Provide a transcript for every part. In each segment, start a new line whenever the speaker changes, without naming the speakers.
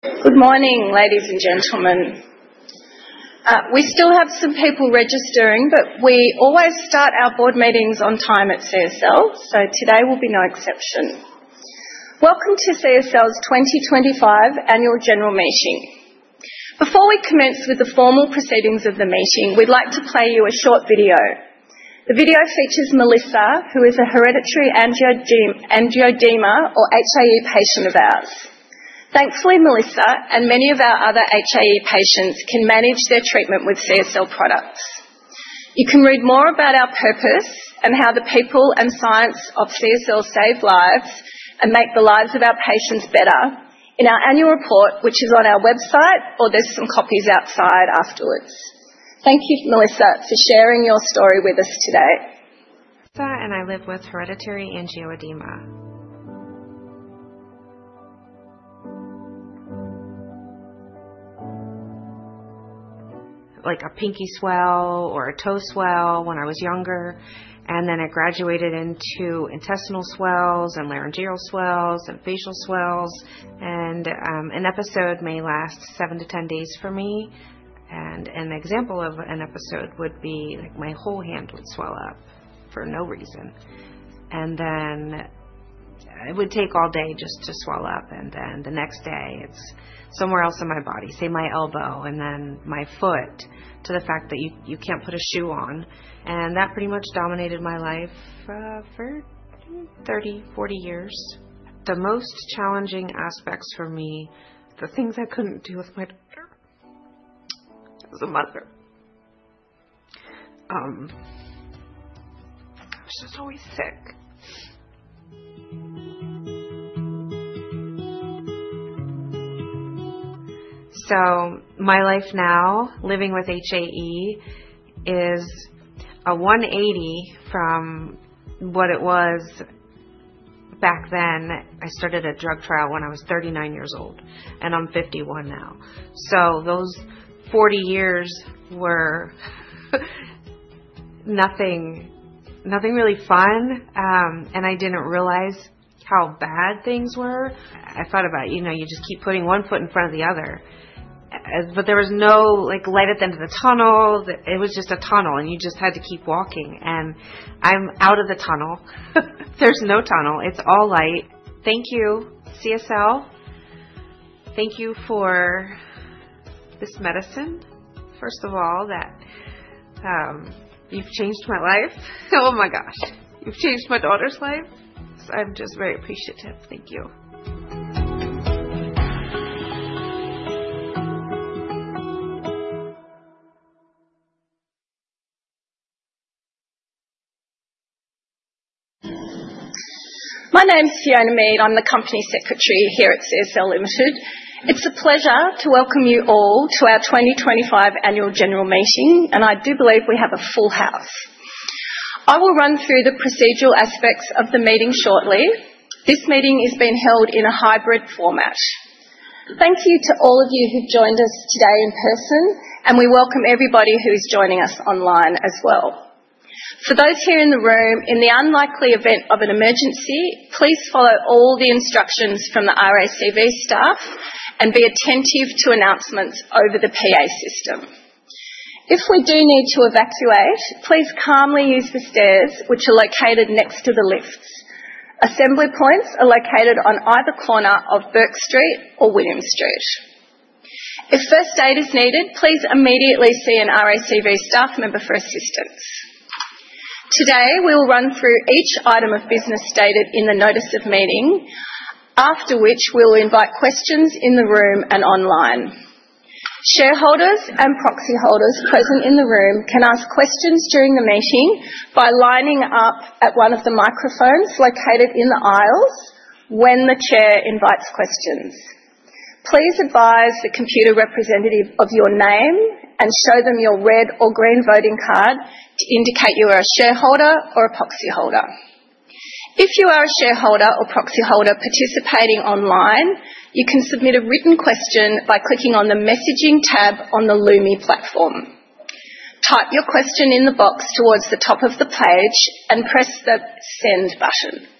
Good morning, ladies and gentlemen. We still have some people registering, but we always start our board meetings on time at CSL, so today will be no exception. Welcome to CSL's 2025 Annual General Meeting. Before we commence with the formal proceedings of the meeting, we'd like to play you a short video. The video features Melissa, who is a hereditary angioedema or HAE patient of ours. Thankfully, Melissa and many of our other HAE patients can manage their treatment with CSL products. You can read more about our purpose and how the people and science of CSL save lives and make the lives of our patients better in our Annual Report, which is on our website, or there's some copies outside afterwards. Thank you, Melissa, for sharing your story with us today.
Melissa and I live with hereditary angioedema, like a pinky swell or a toe swell when I was younger, and then it graduated into intestinal swells and laryngeal swells and facial swells, and an episode may last seven to 10 days for me, and an example of an episode would be like my whole hand would swell up for no reason, and then it would take all day just to swell up, and then the next day it's somewhere else in my body, say my elbow, and then my foot, to the fact that you can't put a shoe on, and that pretty much dominated my life for 30-40 years. The most challenging aspects for me, the things I couldn't do with my daughter, as a mother, I was just always sick, so my life now, living with HAE, is a 180 from what it was back then. I started a drug trial when I was 39 years old, and I'm 51 now, so those 40 years were nothing, nothing really fun, and I didn't realize how bad things were. I thought about, you know, you just keep putting one foot in front of the other, but there was no light at the end of the tunnel. It was just a tunnel, and you just had to keep walking, and I'm out of the tunnel. There's no tunnel. It's all light. Thank you, CSL. Thank you for this medicine, first of all, that you've changed my life. Oh my gosh, you've changed my daughter's life. I'm just very appreciative. Thank you.
My name's Fiona Mead. I'm the Company Secretary here at CSL Limited. It's a pleasure to welcome you all to our 2025 Annual General Meeting, and I do believe we have a full house. I will run through the procedural aspects of the meeting shortly. This meeting is being held in a hybrid format. Thank you to all of you who've joined us today in person, and we welcome everybody who's joining us online as well. For those here in the room, in the unlikely event of an emergency, please follow all the instructions from the RACV staff and be attentive to announcements over the PA system. If we do need to evacuate, please calmly use the stairs, which are located next to the lifts. Assembly points are located on either corner of Bourke Street or William Street. If first aid is needed, please immediately see an RACV staff member for assistance. Today, we will run through each item of business stated in the Notice of Meeting, after which we will invite questions in the room and online. Shareholders and proxy holders present in the room can ask questions during the meeting by lining up at one of the microphones located in the aisles when the chair invites questions. Please advise the Computershare representative of your name and show them your red or green voting card to indicate you are a shareholder or a proxy holder. If you are a shareholder or proxy holder participating online, you can submit a written question by clicking on the Messaging tab on the Lumi platform. Type your question in the box towards the top of the page and press the Send button.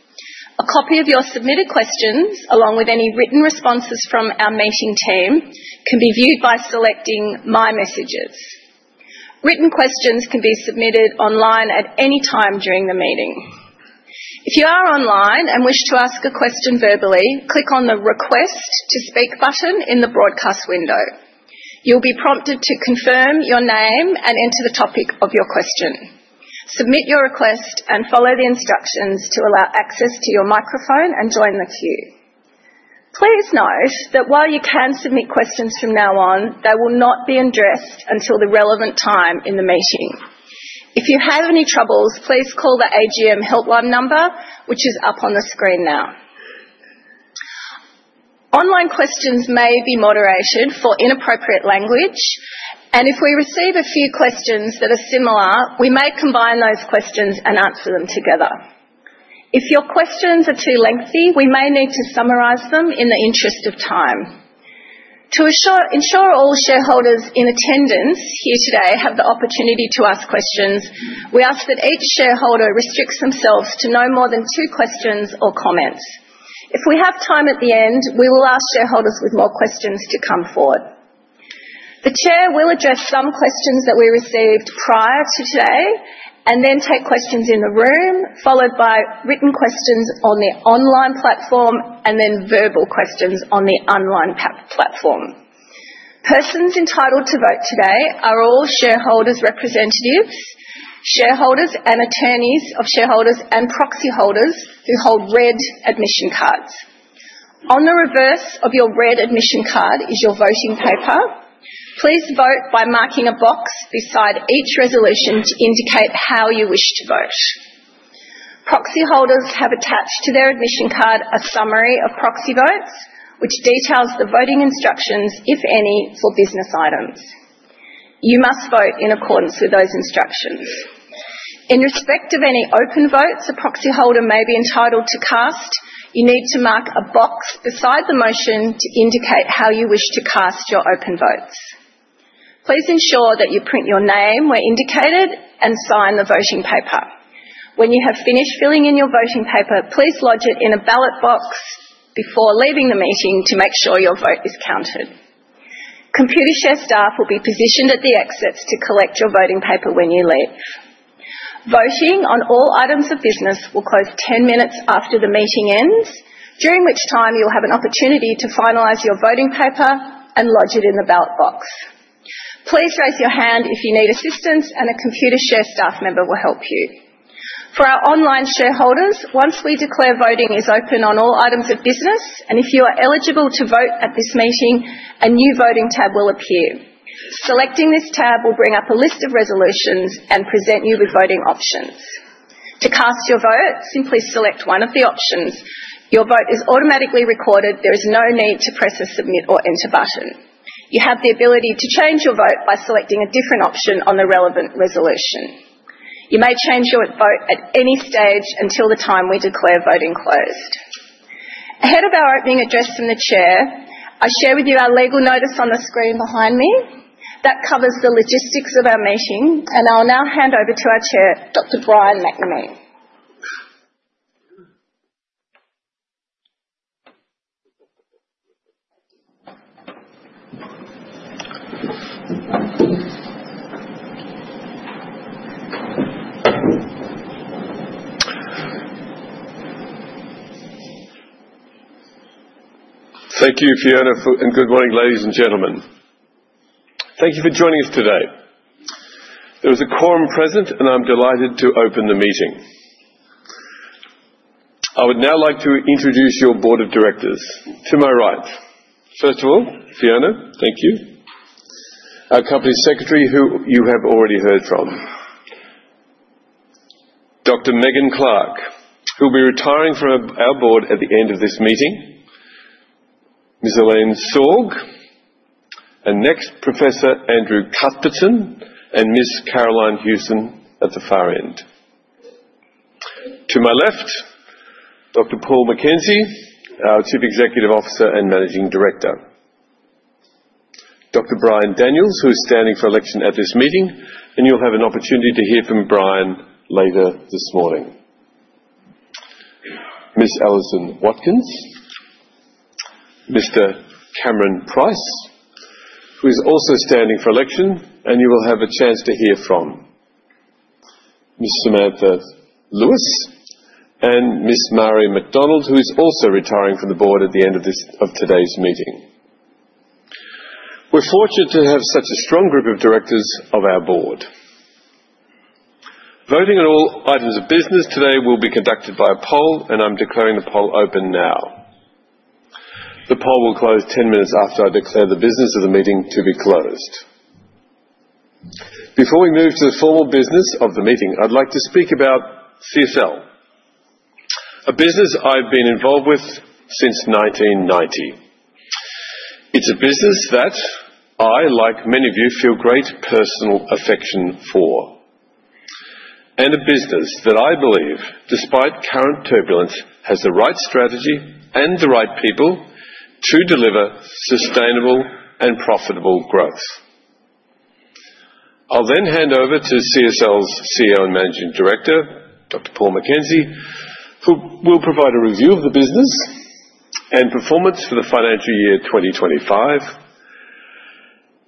A copy of your submitted questions, along with any written responses from our meeting team, can be viewed by selecting My Messages. Written questions can be submitted online at any time during the meeting. If you are online and wish to ask a question verbally, click on the Request to Speak button in the broadcast window. You'll be prompted to confirm your name and enter the topic of your question. Submit your request and follow the instructions to allow access to your microphone and join the queue. Please note that while you can submit questions from now on, they will not be addressed until the relevant time in the meeting. If you have any troubles, please call the AGM Helpline number, which is up on the screen now. Online questions may be moderated for inappropriate language, and if we receive a few questions that are similar, we may combine those questions and answer them together. If your questions are too lengthy, we may need to summarize them in the interest of time. To ensure all shareholders in attendance here today have the opportunity to ask questions, we ask that each shareholder restricts themselves to no more than two questions or comments. If we have time at the end, we will ask shareholders with more questions to come forward. The chair will address some questions that we received prior to today and then take questions in the room, followed by written questions on the online platform and then verbal questions on the online platform. Persons entitled to vote today are all shareholders' representatives, shareholders and attorneys of shareholders and proxy holders who hold red admission cards. On the reverse of your red admission card is your voting paper. Please vote by marking a box beside each resolution to indicate how you wish to vote. Proxy holders have attached to their admission card a summary of proxy votes, which details the voting instructions, if any, for business items. You must vote in accordance with those instructions. In respect of any open votes a proxy holder may be entitled to cast, you need to mark a box beside the motion to indicate how you wish to cast your open votes. Please ensure that you print your name where indicated and sign the voting paper. When you have finished filling in your voting paper, please lodge it in a ballot box before leaving the meeting to make sure your vote is counted. Computershare staff will be positioned at the exits to collect your voting paper when you leave. Voting on all items of business will close 10 minutes after the meeting ends, during which time you'll have an opportunity to finalize your voting paper and lodge it in the ballot box. Please raise your hand if you need assistance, and a Computershare staff member will help you. For our online shareholders, once we declare voting is open on all items of business, and if you are eligible to vote at this meeting, a new voting tab will appear. Selecting this tab will bring up a list of resolutions and present you with voting options. To cast your vote, simply select one of the options. Your vote is automatically recorded. There is no need to press a Submit or Enter button. You have the ability to change your vote by selecting a different option on the relevant resolution. You may change your vote at any stage until the time we declare voting closed. Ahead of our opening address from the chair, I share with you our legal notice on the screen behind me. That covers the logistics of our meeting, and I'll now hand over to our chair, Dr. Brian McNamee.
Thank you, Fiona, and good morning, ladies and gentlemen. Thank you for joining us today. There was a quorum present, and I'm delighted to open the meeting. I would now like to introduce your board of directors to my right. First of all, Fiona, thank you. Our Company Secretary, who you have already heard from, Dr. Megan Clark, who will be retiring from our board at the end of this meeting, Ms. Elaine Sorg, and next, Professor Andrew Cuthbertson and Ms. Carolyn Hewson at the far end. To my left, Dr. Paul McKenzie, our Chief Executive Officer and Managing Director, Dr. Brian Daniels, who is standing for election at this meeting, and you'll have an opportunity to hear from Brian later this morning, Ms. Alison Watkins, Mr. Cameron Price, who is also standing for election, and you will have a chance to hear from Ms. Samantha Lewis and Ms. Marie McDonald, who is also retiring from the board at the end of today's meeting. We're fortunate to have such a strong group of directors of our board. Voting on all items of business today will be conducted by a poll, and I'm declaring the poll open now. The poll will close 10 minutes after I declare the business of the meeting to be closed. Before we move to the formal business of the meeting, I'd like to speak about CSL, a business I've been involved with since 1990. It's a business that I, like many of you, feel great personal affection for, and a business that I believe, despite current turbulence, has the right strategy and the right people to deliver sustainable and profitable growth. I'll then hand over to CSL's CEO and Managing Director, Dr. Paul McKenzie, who will provide a review of the business and performance for the financial year 2025,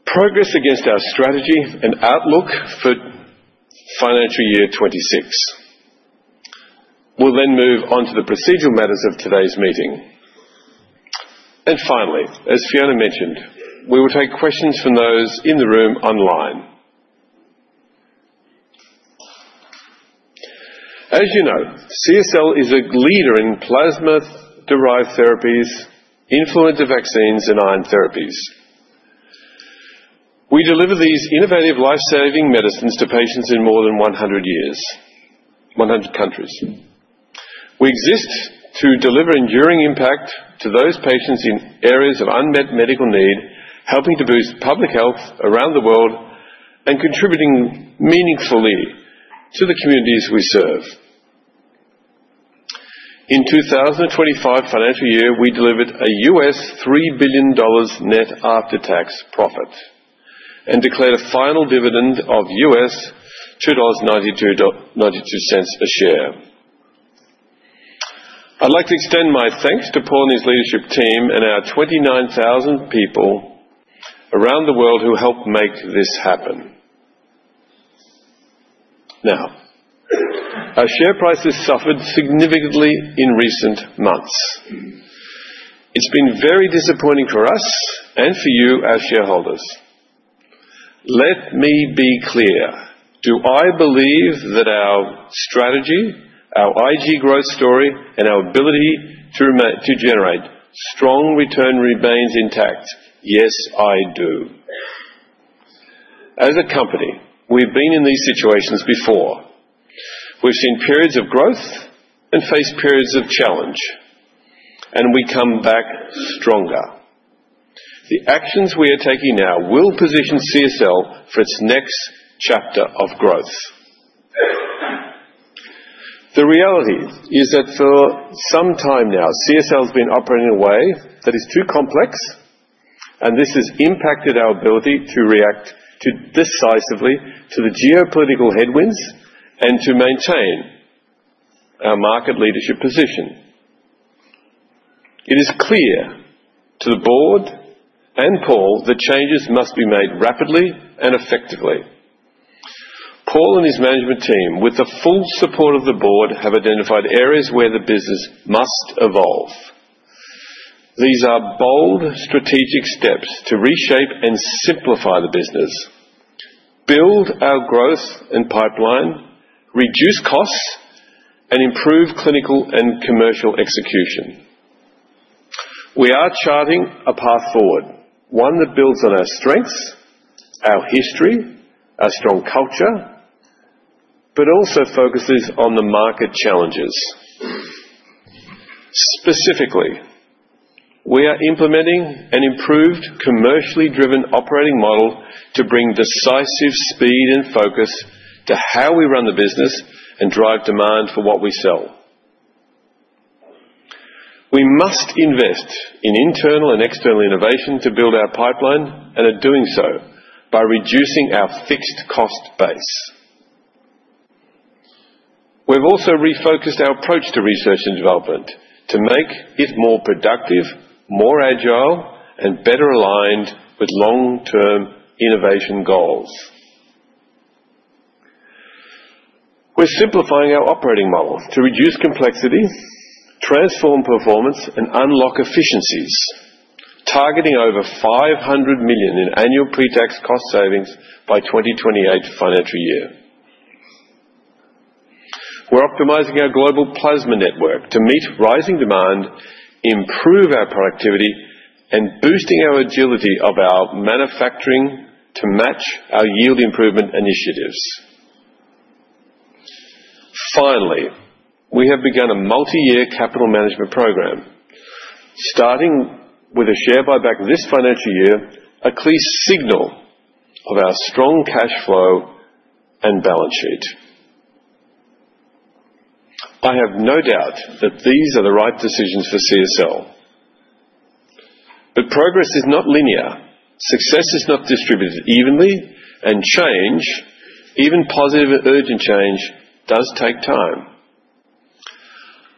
progress against our strategy, and outlook for financial year 26. We'll then move on to the procedural matters of today's meeting, and finally, as Fiona mentioned, we will take questions from those in the room online. As you know, CSL is a leader in plasma-derived therapies, influenza vaccines, and iron therapies. We deliver these innovative lifesaving medicines to patients in more than 100 countries. We exist to deliver enduring impact to those patients in areas of unmet medical need, helping to boost public health around the world and contributing meaningfully to the communities we serve. In 2025 financial year, we delivered a $3 billion net after-tax profit and declared a final dividend of $2.92 a share. I'd like to extend my thanks to Paul and his leadership team and our 29,000 people around the world who helped make this happen. Now, our share prices suffered significantly in recent months. It's been very disappointing for us and for you, our shareholders. Let me be clear. Do I believe that our strategy, our IG growth story, and our ability to generate strong return remain intact? Yes, I do. As a company, we've been in these situations before. We've seen periods of growth and faced periods of challenge, and we come back stronger. The actions we are taking now will position CSL for its next chapter of growth. The reality is that for some time now, CSL has been operating in a way that is too complex, and this has impacted our ability to react decisively to the geopolitical headwinds and to maintain our market leadership position. It is clear to the board and Paul that changes must be made rapidly and effectively. Paul and his management team, with the full support of the board, have identified areas where the business must evolve. These are bold strategic steps to reshape and simplify the business, build our growth and pipeline, reduce costs, and improve clinical and commercial execution. We are charting a path forward, one that builds on our strengths, our history, our strong culture, but also focuses on the market challenges. Specifically, we are implementing an improved commercially driven operating model to bring decisive speed and focus to how we run the business and drive demand for what we sell. We must invest in internal and external innovation to build our pipeline and are doing so by reducing our fixed cost base. We've also refocused our approach to research and development to make it more productive, more agile, and better aligned with long-term innovation goals. We're simplifying our operating model to reduce complexity, transform performance, and unlock efficiencies, targeting over 500 million in annual pre-tax cost savings by 2028 financial year. We're optimizing our Global Plasma Network to meet rising demand, improve our productivity, and boost our agility of our manufacturing to match our yield improvement initiatives. Finally, we have begun a multi-year capital management program, starting with a share buyback this financial year, a clear signal of our strong cash flow and balance sheet. I have no doubt that these are the right decisions for CSL, but progress is not linear. Success is not distributed evenly, and change, even positive and urgent change, does take time.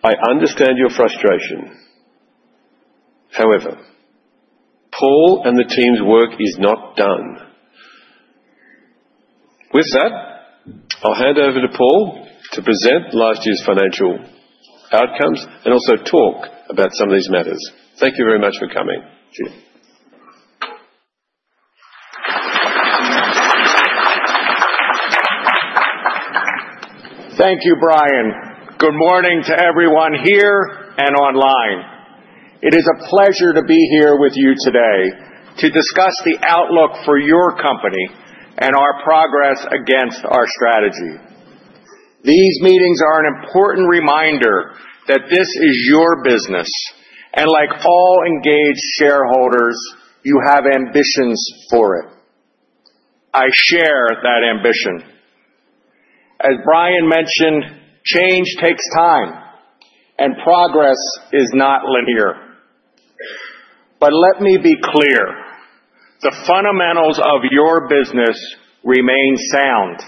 I understand your frustration. However, Paul and the team's work is not done. With that, I'll hand over to Paul to present last year's financial outcomes and also talk about some of these matters. Thank you very much for coming.
Thank you, Brian. Good morning to everyone here and online. It is a pleasure to be here with you today to discuss the outlook for your company and our progress against our strategy. These meetings are an important reminder that this is your business, and like all engaged shareholders, you have ambitions for it. I share that ambition. As Brian mentioned, change takes time, and progress is not linear, but let me be clear. The fundamentals of your business remain sound,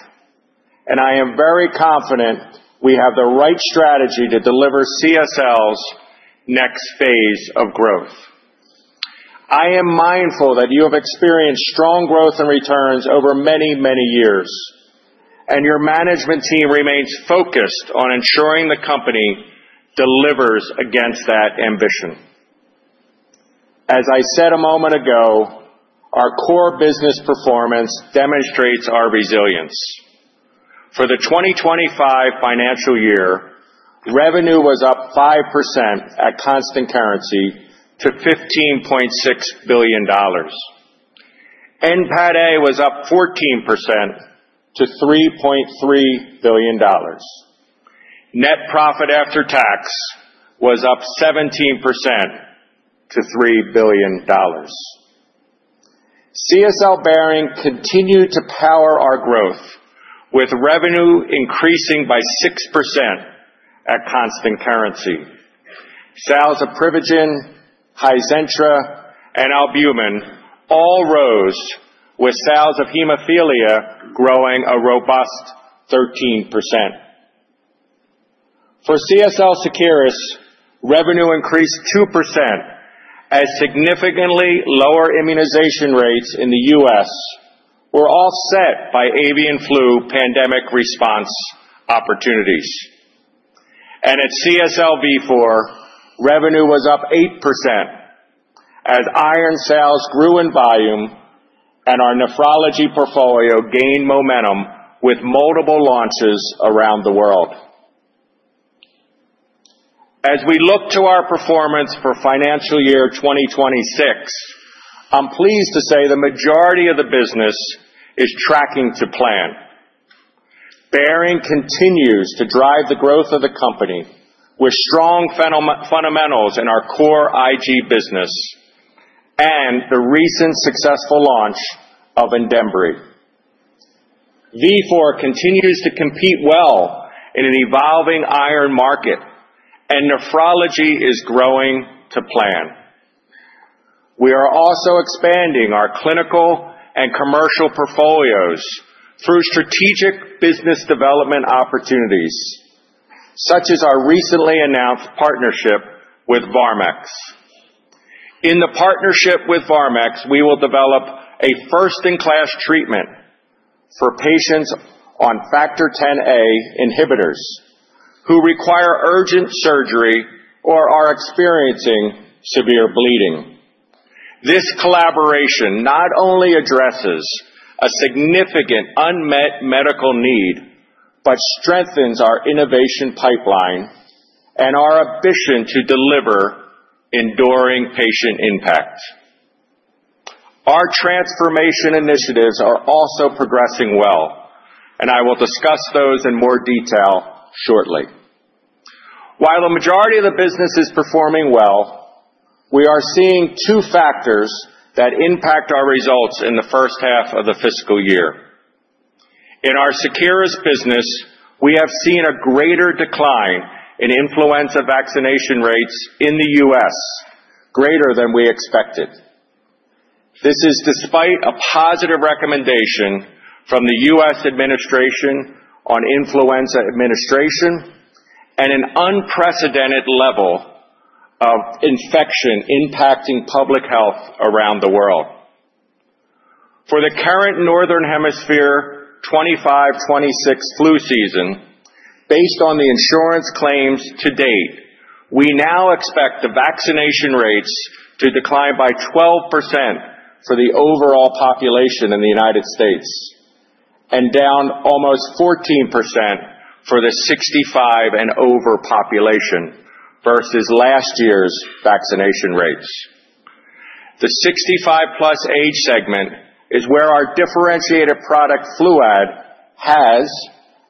and I am very confident we have the right strategy to deliver CSL's next phase of growth. I am mindful that you have experienced strong growth and returns over many, many years, and your management team remains focused on ensuring the company delivers against that ambition. As I said a moment ago, our core business performance demonstrates our resilience. For the 2025 financial year, revenue was up 5% at constant currency to $15.6 billion. NPATA was up 14% to $3.3 billion. Net profit after tax was up 17% to $3 billion. CSL Behring continued to power our growth, with revenue increasing by 6% at constant currency. Sales of Privigen, Hizentra, and Albumin all rose, with sales of hemophilia growing a robust 13%. For CSL Seqirus, revenue increased 2% as significantly lower immunization rates in the U.S. were offset by avian flu pandemic response opportunities. At CSL Vifor, revenue was up 8% as iron sales grew in volume and our nephrology portfolio gained momentum with multiple launches around the world. As we look to our performance for financial year 2026, I'm pleased to say the majority of the business is tracking to plan. Behring continues to drive the growth of the company with strong fundamentals in our core IG business and the recent successful launch of Andembry. Vifor continues to compete well in an evolving iron market, and nephrology is growing to plan. We are also expanding our clinical and commercial portfolios through strategic business development opportunities, such as our recently announced partnership with VarmX. In the partnership with VarmX, we will develop a first-in-class treatment for patients on Factor Xa inhibitors who require urgent surgery or are experiencing severe bleeding. This collaboration not only addresses a significant unmet medical need but strengthens our innovation pipeline and our ambition to deliver enduring patient impact. Our transformation initiatives are also progressing well, and I will discuss those in more detail shortly. While the majority of the business is performing well, we are seeing two factors that impact our results in the first half of the fiscal year. In our Seqirus business, we have seen a greater decline in influenza vaccination rates in the U.S., greater than we expected. This is despite a positive recommendation from the U.S. administration on influenza administration and an unprecedented level of infection impacting public health around the world. For the current Northern Hemisphere 2025-2026 flu season, based on the insurance claims to date, we now expect the vaccination rates to decline by 12% for the overall population in the United States and down almost 14% for the 65 and over population versus last year's vaccination rates. The 65-plus age segment is where our differentiated product Fluad has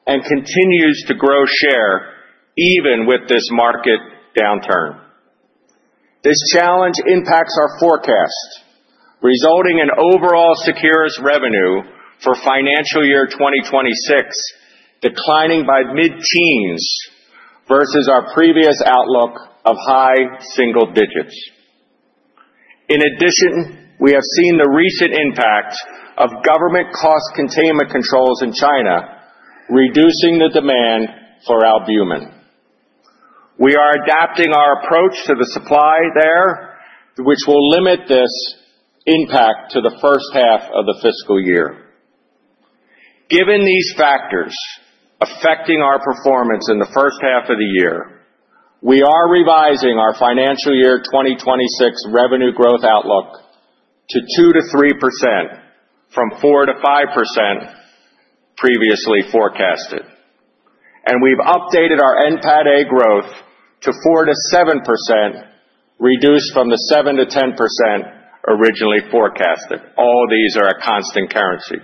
and continues to grow share even with this market downturn. This challenge impacts our forecast, resulting in overall Seqirus revenue for financial year 2026 declining by mid-teens versus our previous outlook of high single digits. In addition, we have seen the recent impact of government cost containment controls in China reducing the demand for Albumin. We are adapting our approach to the supply there, which will limit this impact to the first half of the fiscal year. Given these factors affecting our performance in the first half of the year, we are revising our financial year 2026 revenue growth outlook to 2%-3% from 4%-5% previously forecasted. And we've updated our NPATA growth to 4%-7%, reduced from the 7%-10% originally forecasted. All these are at constant currency.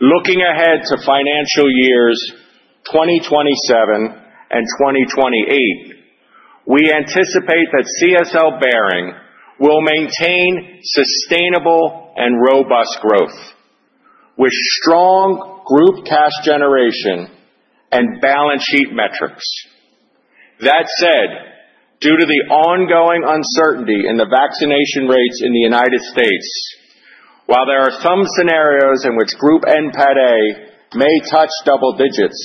Looking ahead to financial years 2027 and 2028, we anticipate that CSL Behring will maintain sustainable and robust growth with strong group cash generation and balance sheet metrics. That said, due to the ongoing uncertainty in the vaccination rates in the United States, while there are some scenarios in which group NPATA may touch double digits,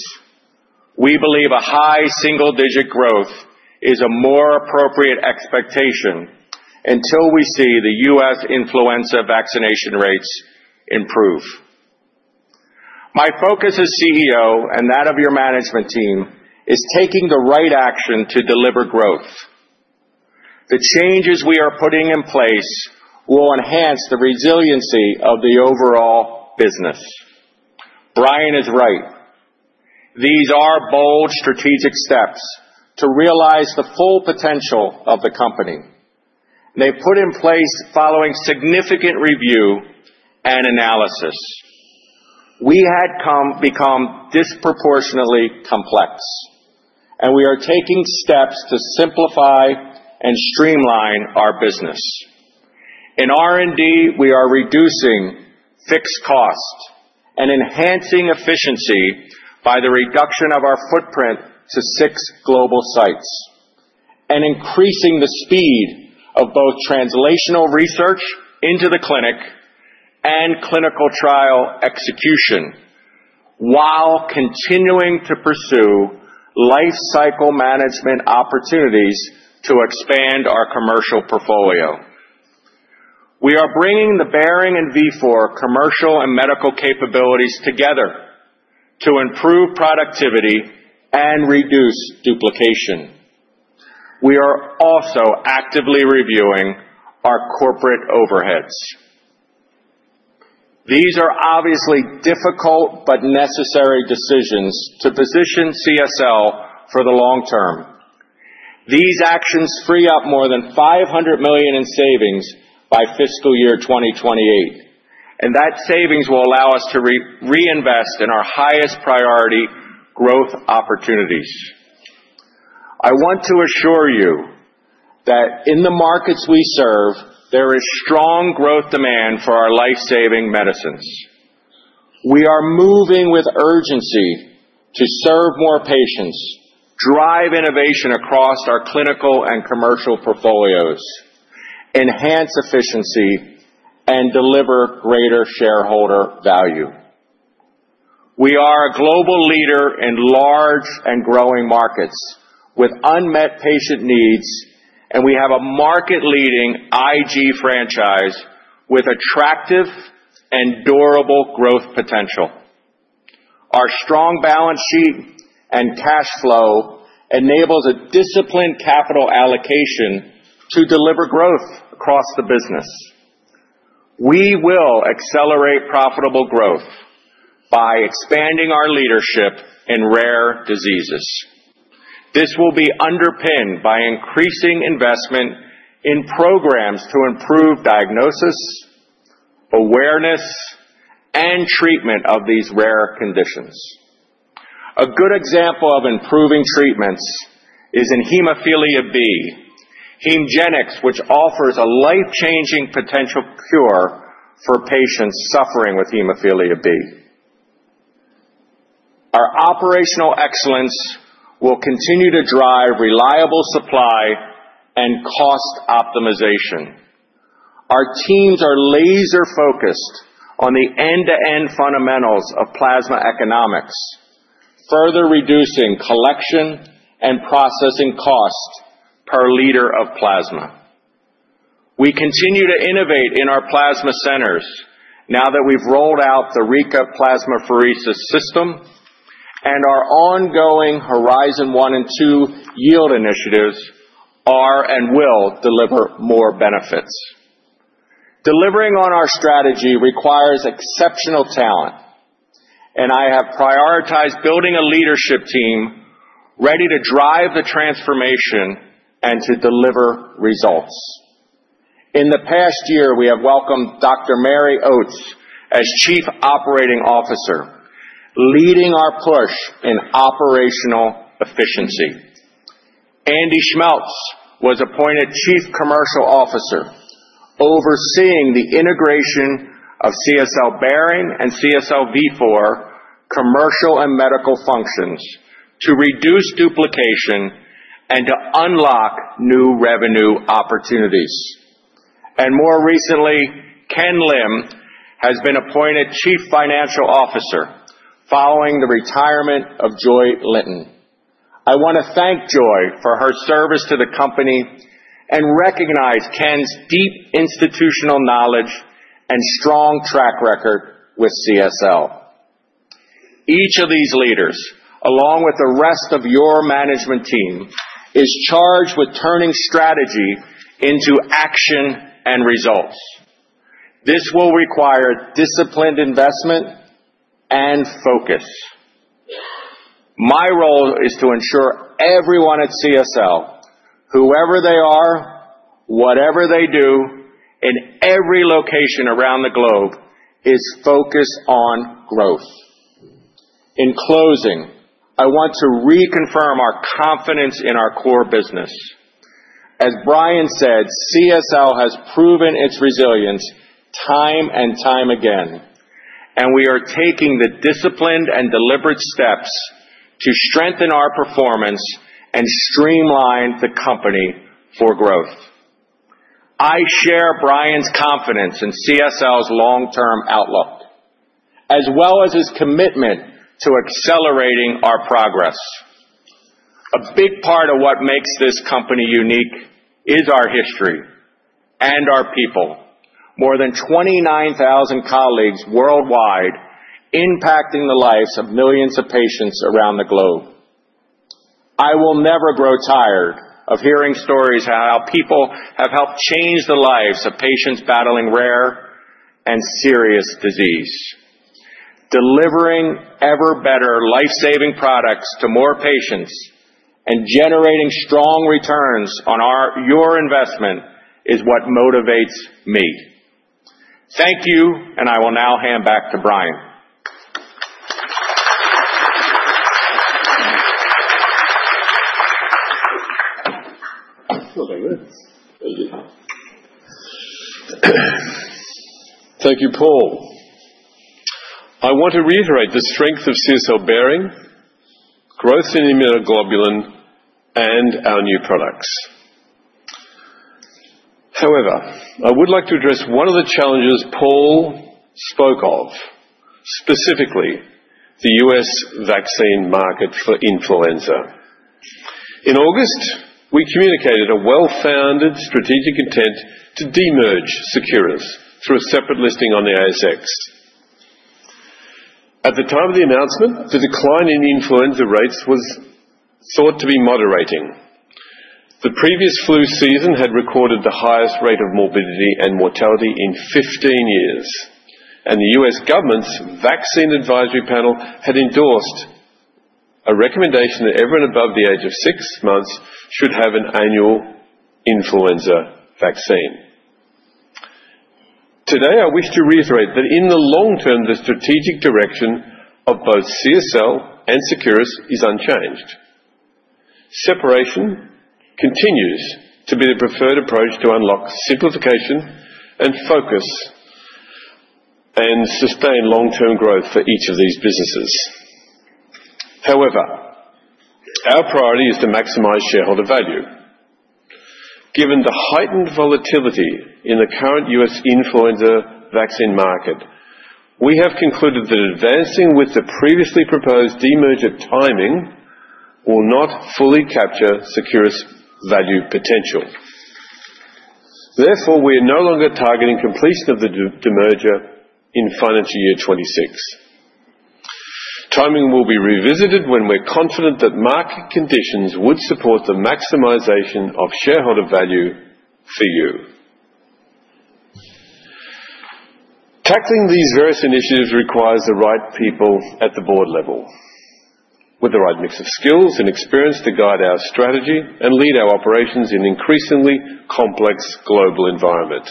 we believe a high single-digit growth is a more appropriate expectation until we see the U.S. influenza vaccination rates improve. My focus as CEO and that of your management team is taking the right action to deliver growth. The changes we are putting in place will enhance the resiliency of the overall business. Brian is right. These are bold strategic steps to realize the full potential of the company. They put in place following significant review and analysis. We had become disproportionately complex, and we are taking steps to simplify and streamline our business. In R&D, we are reducing fixed costs and enhancing efficiency by the reduction of our footprint to six global sites and increasing the speed of both translational research into the clinic and clinical trial execution while continuing to pursue life cycle management opportunities to expand our commercial portfolio. We are bringing the Behring and Vifor commercial and medical capabilities together to improve productivity and reduce duplication. We are also actively reviewing our corporate overheads. These are obviously difficult but necessary decisions to position CSL for the long term. These actions free up more than 500 million in savings by fiscal year 2028, and that savings will allow us to reinvest in our highest priority growth opportunities. I want to assure you that in the markets we serve, there is strong growth demand for our life-saving medicines. We are moving with urgency to serve more patients, drive innovation across our clinical and commercial portfolios, enhance efficiency, and deliver greater shareholder value. We are a global leader in large and growing markets with unmet patient needs, and we have a market-leading IG franchise with attractive and durable growth potential. Our strong balance sheet and cash flow enables a disciplined capital allocation to deliver growth across the business. We will accelerate profitable growth by expanding our leadership in rare diseases. This will be underpinned by increasing investment in programs to improve diagnosis, awareness, and treatment of these rare conditions. A good example of improving treatments is in hemophilia B, HEMGENIX, which offers a life-changing potential cure for patients suffering with hemophilia B. Our operational excellence will continue to drive reliable supply and cost optimization. Our teams are laser-focused on the end-to-end fundamentals of plasma economics, further reducing collection and processing costs per liter of plasma. We continue to innovate in our plasma centers now that we've rolled out the Rika plasmapheresis system, and our ongoing Horizon 1 and 2 yield initiatives are and will deliver more benefits. Delivering on our strategy requires exceptional talent, and I have prioritized building a leadership team ready to drive the transformation and to deliver results. In the past year, we have welcomed Dr. Mary Oates as Chief Operating Officer, leading our push in operational efficiency. Andy Schmeltz was appointed Chief Commercial Officer, overseeing the integration of CSL Behring and CSL Vifor commercial and medical functions to reduce duplication and to unlock new revenue opportunities. And more recently, Ken Lim has been appointed Chief Financial Officer following the retirement of Joy Linton. I want to thank Joy for her service to the company and recognize Ken's deep institutional knowledge and strong track record with CSL. Each of these leaders, along with the rest of your management team, is charged with turning strategy into action and results. This will require disciplined investment and focus. My role is to ensure everyone at CSL, whoever they are, whatever they do, in every location around the globe, is focused on growth. In closing, I want to reconfirm our confidence in our core business. As Brian said, CSL has proven its resilience time and time again, and we are taking the disciplined and deliberate steps to strengthen our performance and streamline the company for growth. I share Brian's confidence in CSL's long-term outlook, as well as his commitment to accelerating our progress. A big part of what makes this company unique is our history and our people: more than 29,000 colleagues worldwide impacting the lives of millions of patients around the globe. I will never grow tired of hearing stories on how people have helped change the lives of patients battling rare and serious disease. Delivering ever-better life-saving products to more patients and generating strong returns on your investment is what motivates me. Thank you, and I will now hand back to Brian.
Thank you, Paul. I want to reiterate the strength of CSL Behring, growth in immunoglobulin, and our new products. However, I would like to address one of the challenges Paul spoke of, specifically the U.S. vaccine market for influenza. In August, we communicated a well-founded strategic intent to demerge Seqirus through a separate listing on the ASX. At the time of the announcement, the decline in influenza rates was thought to be moderating. The previous flu season had recorded the highest rate of morbidity and mortality in 15 years, and the U.S. government's vaccine advisory panel had endorsed a recommendation that everyone above the age of six months should have an annual influenza vaccine. Today, I wish to reiterate that in the long term, the strategic direction of both CSL and Seqirus is unchanged. Separation continues to be the preferred approach to unlock simplification and focus and sustain long-term growth for each of these businesses. However, our priority is to maximize shareholder value. Given the heightened volatility in the current U.S. influenza vaccine market, we have concluded that advancing with the previously proposed demerger timing will not fully capture Seqirus' value potential. Therefore, we are no longer targeting completion of the demerger in financial year 2026. Timing will be revisited when we're confident that market conditions would support the maximization of shareholder value for you. Tackling these various initiatives requires the right people at the board level, with the right mix of skills and experience to guide our strategy and lead our operations in an increasingly complex global environment.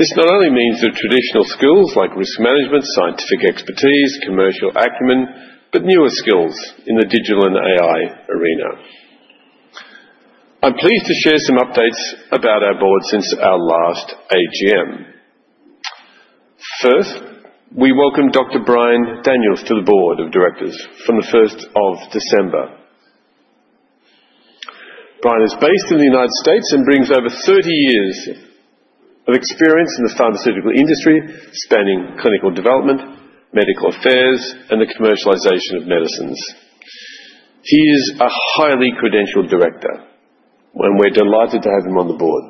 This not only means the traditional skills like risk management, scientific expertise, commercial acumen, but newer skills in the digital and AI arena. I'm pleased to share some updates about our board since our last AGM. First, we welcome Dr. Brian Daniels to the board of directors from the 1st of December. Brian is based in the United States and brings over 30 years of experience in the pharmaceutical industry, spanning clinical development, medical affairs, and the commercialization of medicines. He is a highly credentialed director, and we're delighted to have him on the board.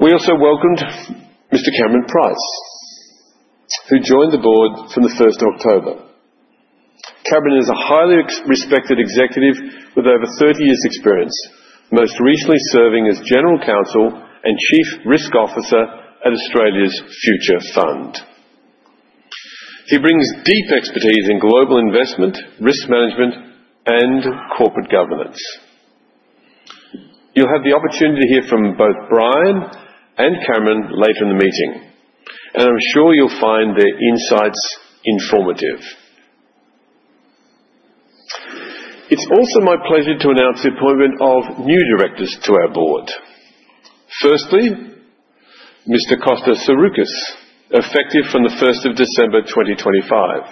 We also welcomed Mr. Cameron Price, who joined the board from the 1st of October. Cameron is a highly respected executive with over 30 years' experience, most recently serving as General Counsel and Chief Risk Officer at Australia's Future Fund. He brings deep expertise in global investment, risk management, and corporate governance. You'll have the opportunity to hear from both Brian and Cameron later in the meeting, and I'm sure you'll find their insights informative. It's also my pleasure to announce the appointment of new directors to our board. Firstly, Mr. Costa Saroukos, effective from the 1st of December 2025.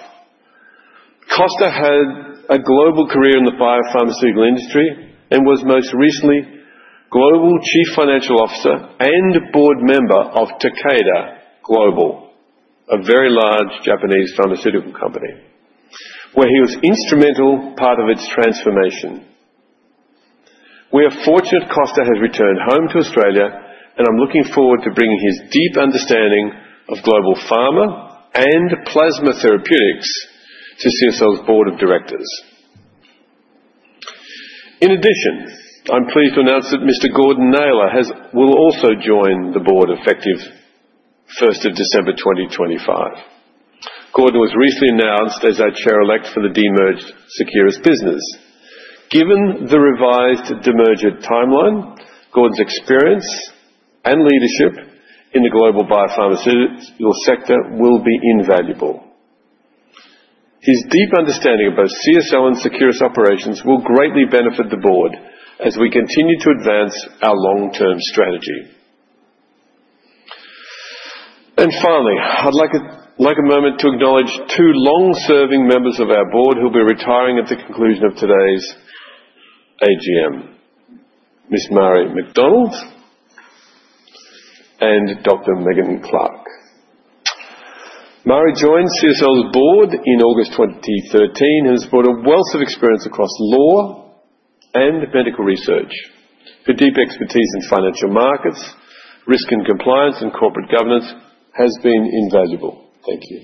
Costa had a global career in the biopharmaceutical industry and was most recently Global Chief Financial Officer and board member of Takeda Global, a very large Japanese pharmaceutical company, where he was an instrumental part of its transformation. We are fortunate Costa has returned home to Australia, and I'm looking forward to bringing his deep understanding of global pharma and plasma therapeutics to CSL's board of directors. In addition, I'm pleased to announce that Mr. Gordon Naylor will also join the board effective 1st of December 2025. Gordon was recently announced as our Chair-Elect for the demerged Seqirus business. Given the revised demerger timeline, Gordon's experience and leadership in the global biopharmaceutical sector will be invaluable. His deep understanding of both CSL and Seqirus operations will greatly benefit the board as we continue to advance our long-term strategy. And finally, I'd like a moment to acknowledge two long-serving members of our board who will be retiring at the conclusion of today's AGM: Ms. Marie McDonald and Dr. Megan Clark. Marie joined CSL's board in August 2013 and has brought a wealth of experience across law and medical research. Her deep expertise in financial markets, risk and compliance, and corporate governance has been invaluable. Thank you.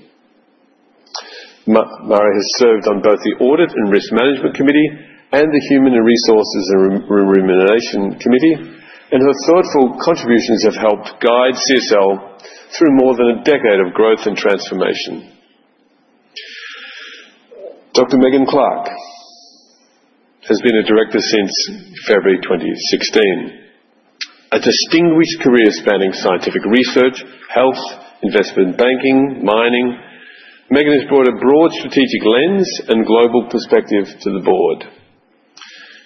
Marie has served on both the Audit and Risk Management Committee and the Human Resources and Remuneration Committee, and her thoughtful contributions have helped guide CSL through more than a decade of growth and transformation. Dr. Megan Clark has been a director since February 2016, a distinguished career spanning scientific research, health, investment banking, and mining. Megan has brought a broad strategic lens and global perspective to the board.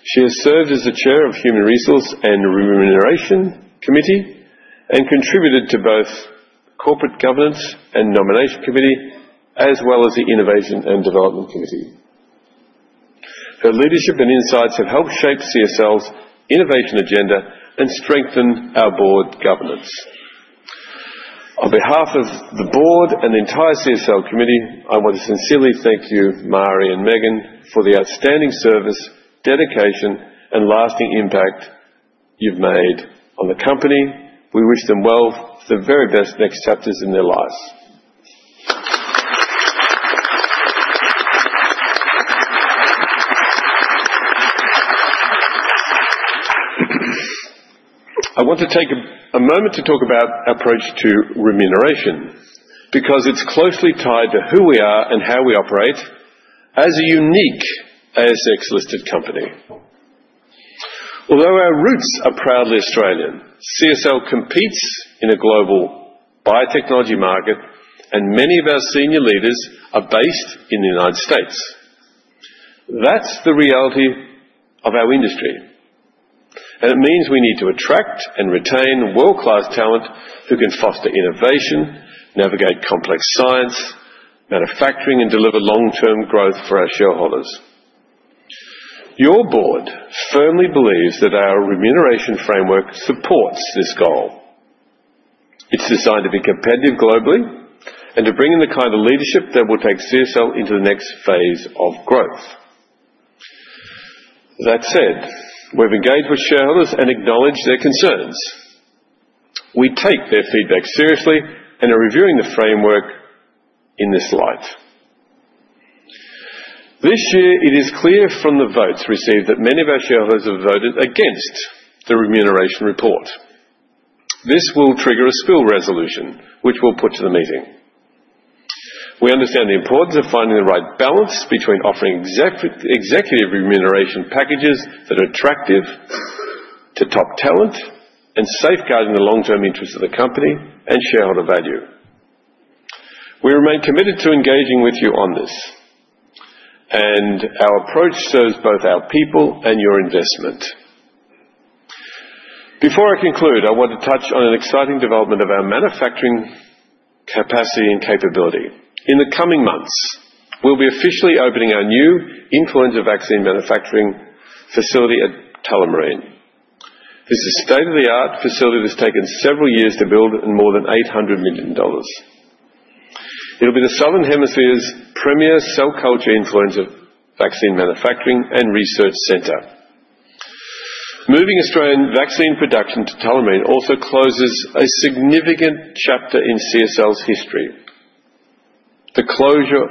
She has served as the Chair of Human Resource and Remuneration Committee and contributed to both the Corporate Governance and Nomination Committee, as well as the Innovation and Development Committee. Her leadership and insights have helped shape CSL's innovation agenda and strengthen our board governance. On behalf of the board and the entire CSL committee, I want to sincerely thank you, Marie and Megan, for the outstanding service, dedication, and lasting impact you've made on the company. We wish them well for the very best next chapters in their lives. I want to take a moment to talk about our approach to remuneration because it's closely tied to who we are and how we operate as a unique ASX-listed company. Although our roots are proudly Australian, CSL competes in a global biotechnology market, and many of our senior leaders are based in the United States. That's the reality of our industry, and it means we need to attract and retain world-class talent who can foster innovation, navigate complex science, manufacturing, and deliver long-term growth for our shareholders. Your board firmly believes that our remuneration framework supports this goal. It's designed to be competitive globally and to bring in the kind of leadership that will take CSL into the next phase of growth. That said, we've engaged with shareholders and acknowledged their concerns. We take their feedback seriously and are reviewing the framework in this light. This year, it is clear from the votes received that many of our shareholders have voted against the Remuneration Report. This will trigger a spill resolution, which we'll put to the meeting. We understand the importance of finding the right balance between offering executive remuneration packages that are attractive to top talent and safeguarding the long-term interests of the company and shareholder value. We remain committed to engaging with you on this, and our approach serves both our people and your investment. Before I conclude, I want to touch on an exciting development of our manufacturing capacity and capability. In the coming months, we'll be officially opening our new influenza vaccine manufacturing facility at Tullamarine. This is a state-of-the-art facility that has taken several years to build and more than 800 million dollars. It'll be the Southern Hemisphere's premier cell culture influenza vaccine manufacturing and research center. Moving Australian vaccine production to Tullamarine also closes a significant chapter in CSL's history: the closure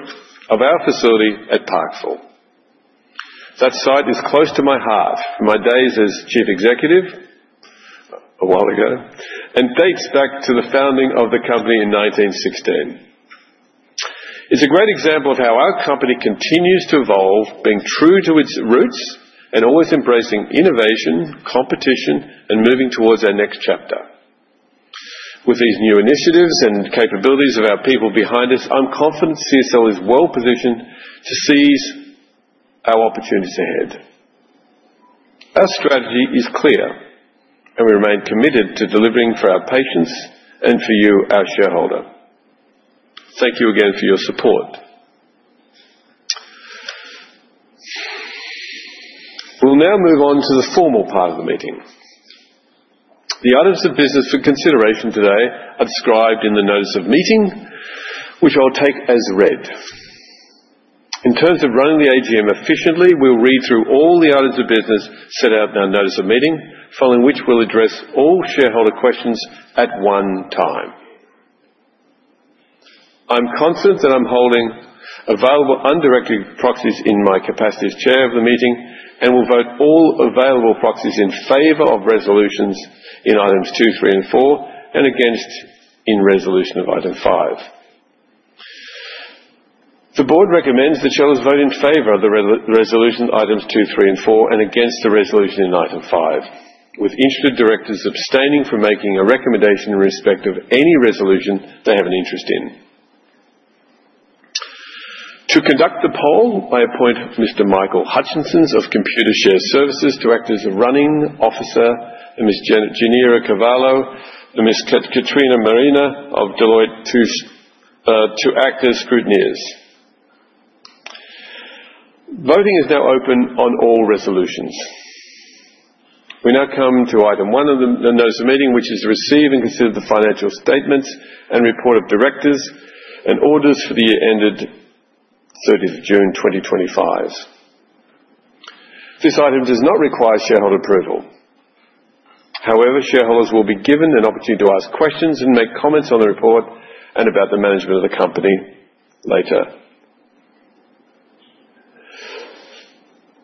of our facility at Parkville. That site is close to my heart from my days as Chief Executive a while ago and dates back to the founding of the company in 1916. It's a great example of how our company continues to evolve, being true to its roots and always embracing innovation, competition, and moving towards our next chapter. With these new initiatives and capabilities of our people behind us, I'm confident CSL is well positioned to seize our opportunities ahead. Our strategy is clear, and we remain committed to delivering for our patients and for you, our shareholder. Thank you again for your support. We'll now move on to the formal part of the meeting. The items of business for consideration today are described in the Notice of Meeting, which I'll take as read. In terms of running the AGM efficiently, we'll read through all the items of business set out in our Notice of Meeting, following which we'll address all shareholder questions at one time. I'm confident that I'm holding available undirected proxies in my capacity as Chair of the meeting and will vote all available proxies in favor of resolutions in items two, three, and four, and against in resolution of item five. The board recommends that shareholders vote in favor of the resolution items two, three, and four, and against the resolution in item five, with interested directors abstaining from making a recommendation in respect of any resolution they have an interest in. To conduct the poll, I appoint Mr. Michael Hutchison of Computershare to act as returning officer, Ms. Genevra Cavallo, and Ms. Katrina Mariani of Deloitte to act as scrutineers. Voting is now open on all resolutions. We now come to item one of the Notice of Meeting, which is to receive and consider the financial statements and report of directors and auditors for the year ended 30th of June 2025. This item does not require shareholder approval. However, shareholders will be given an opportunity to ask questions and make comments on the report and about the management of the company later.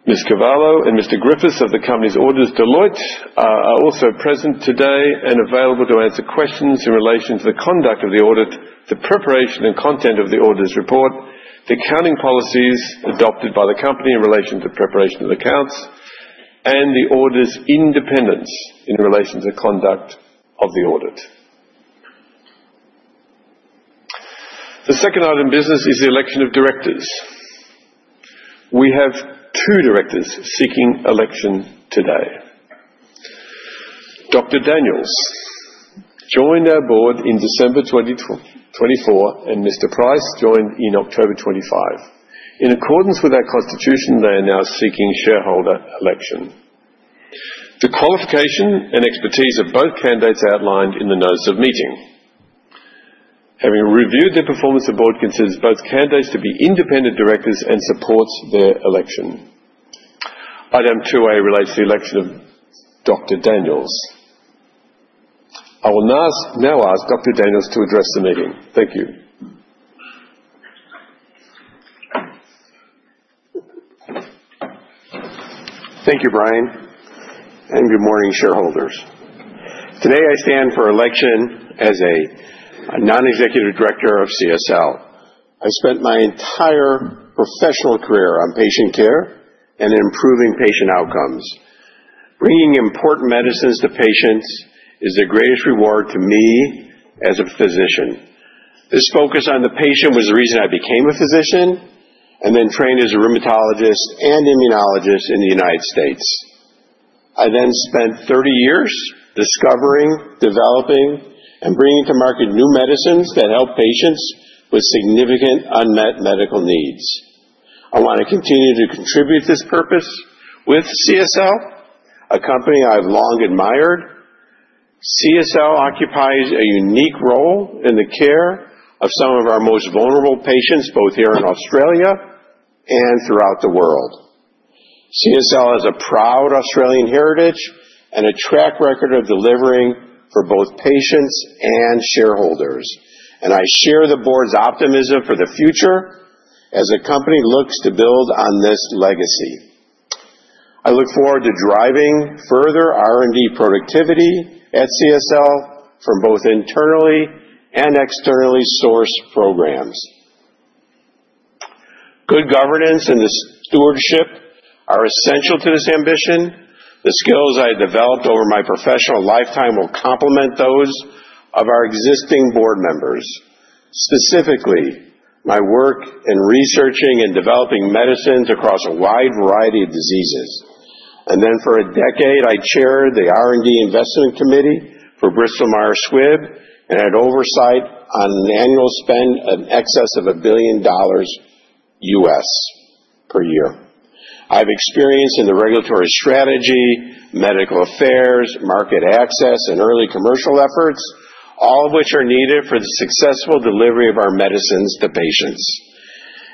Ms. Cavallo and Mr. Griffiths of the company's auditors, Deloitte, are also present today and available to answer questions in relation to the conduct of the audit, the preparation and content of the auditor's report, the accounting policies adopted by the company in relation to preparation of the accounts, and the auditor's independence in relation to the conduct of the audit. The second item of business is the election of directors. We have two directors seeking election today. Dr. Daniels joined our board in December 2024, and Mr. Price joined in October 2025. In accordance with our constitution, they are now seeking shareholder election. The qualification and expertise of both candidates are outlined in the Notice of Meeting. Having reviewed their performance, the board considers both candidates to be independent directors and supports their election. Item two A relates to the election of Dr. Daniels. I will now ask Dr. Daniels to address the meeting. Thank you.
Thank you, Brian, and good morning, shareholders. Today, I stand for election as a non-executive director of CSL. I spent my entire professional career on patient care and improving patient outcomes. Bringing important medicines to patients is the greatest reward to me as a physician. This focus on the patient was the reason I became a physician and then trained as a rheumatologist and immunologist in the United States. I then spent 30 years discovering, developing, and bringing to market new medicines that help patients with significant unmet medical needs. I want to continue to contribute to this purpose with CSL, a company I've long admired. CSL occupies a unique role in the care of some of our most vulnerable patients, both here in Australia and throughout the world. CSL has a proud Australian heritage and a track record of delivering for both patients and shareholders, and I share the board's optimism for the future as the company looks to build on this legacy. I look forward to driving further R&D productivity at CSL from both internally and externally sourced programs. Good governance and stewardship are essential to this ambition. The skills I developed over my professional lifetime will complement those of our existing board members, specifically my work in researching and developing medicines across a wide variety of diseases, and then, for a decade, I chaired the R&D Investment Committee for Bristol Myers Squibb and had oversight on an annual spend in excess of $1 billion per year. I have experience in the regulatory strategy, medical affairs, market access, and early commercial efforts, all of which are needed for the successful delivery of our medicines to patients.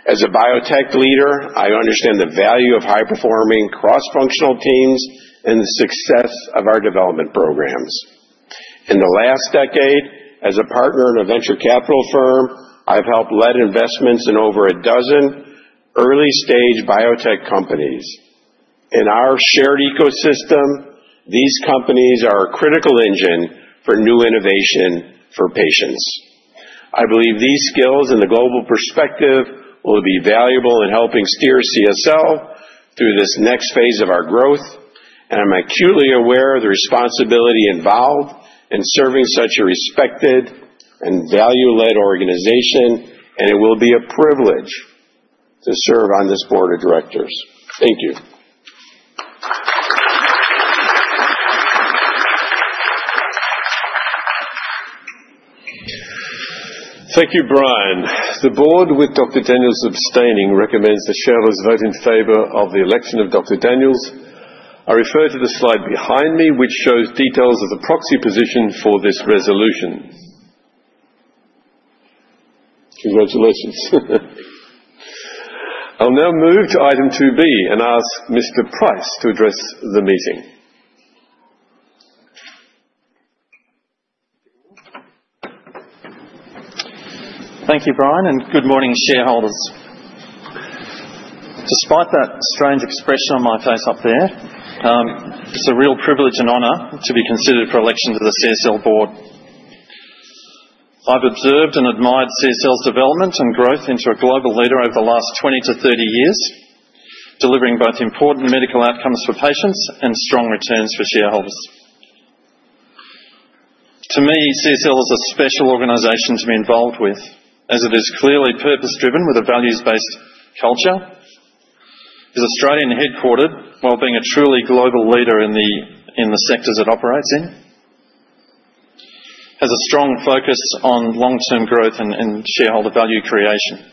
As a biotech leader, I understand the value of high-performing cross-functional teams and the success of our development programs. In the last decade, as a partner in a venture capital firm, I've helped lead investments in over a dozen early-stage biotech companies. In our shared ecosystem, these companies are a critical engine for new innovation for patients. I believe these skills and the global perspective will be valuable in helping steer CSL through this next phase of our growth, and I'm acutely aware of the responsibility involved in serving such a respected and value-led organization, and it will be a privilege to serve on this Board of Directors. Thank you.
Thank you, Brian. The board, with Dr. Daniels abstaining, recommends that shareholders vote in favor of the election of Dr. Daniels. I refer to the slide behind me, which shows details of the proxy position for this resolution. Congratulations. I'll now move to item 2B and ask Mr. Price to address the meeting.
Thank you, Brian, and good morning, shareholders. Despite that strange expression on my face up there, it's a real privilege and honor to be considered for election to the CSL board. I've observed and admired CSL's development and growth into a global leader over the last 20-30 years, delivering both important medical outcomes for patients and strong returns for shareholders. To me, CSL is a special organization to be involved with, as it is clearly purpose-driven with a values-based culture, is Australian-headquartered while being a truly global leader in the sectors it operates in, has a strong focus on long-term growth and shareholder value creation.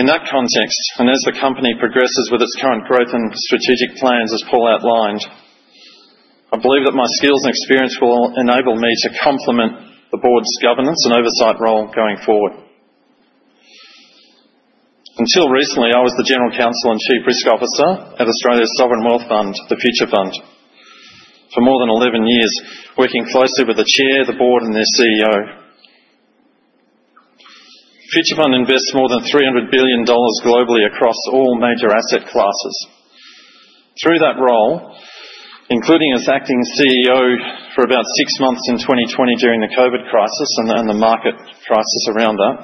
In that context, and as the company progresses with its current growth and strategic plans, as Paul outlined, I believe that my skills and experience will enable me to complement the board's governance and oversight role going forward. Until recently, I was the General Counsel and Chief Risk Officer at Australia's sovereign wealth fund, the Future Fund, for more than 11 years, working closely with the chair, the board, and their CEO. Future Fund invests more than 300 billion dollars globally across all major asset classes. Through that role, including as acting CEO for about six months in 2020 during the COVID crisis and the market crisis around that,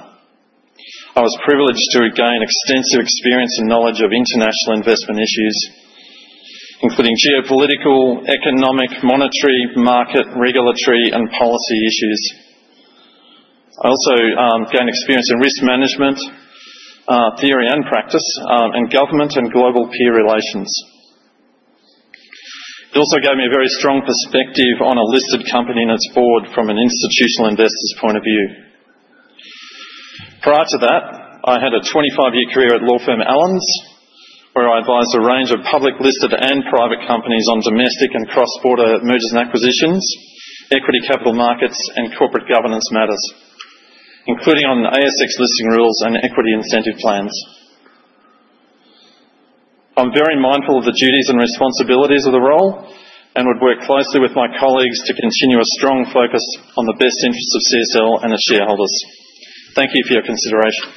I was privileged to gain extensive experience and knowledge of international investment issues, including geopolitical, economic, monetary, market, regulatory, and policy issues. I also gained experience in risk management, theory and practice, and government and global peer relations. It also gave me a very strong perspective on a listed company and its board from an institutional investor's point of view. Prior to that, I had a 25-year career at law firm Allens, where I advised a range of public-listed and private companies on domestic and cross-border mergers and acquisitions, equity capital markets, and corporate governance matters, including on ASX listing rules and equity incentive plans. I'm very mindful of the duties and responsibilities of the role and would work closely with my colleagues to continue a strong focus on the best interests of CSL and its shareholders. Thank you for your consideration.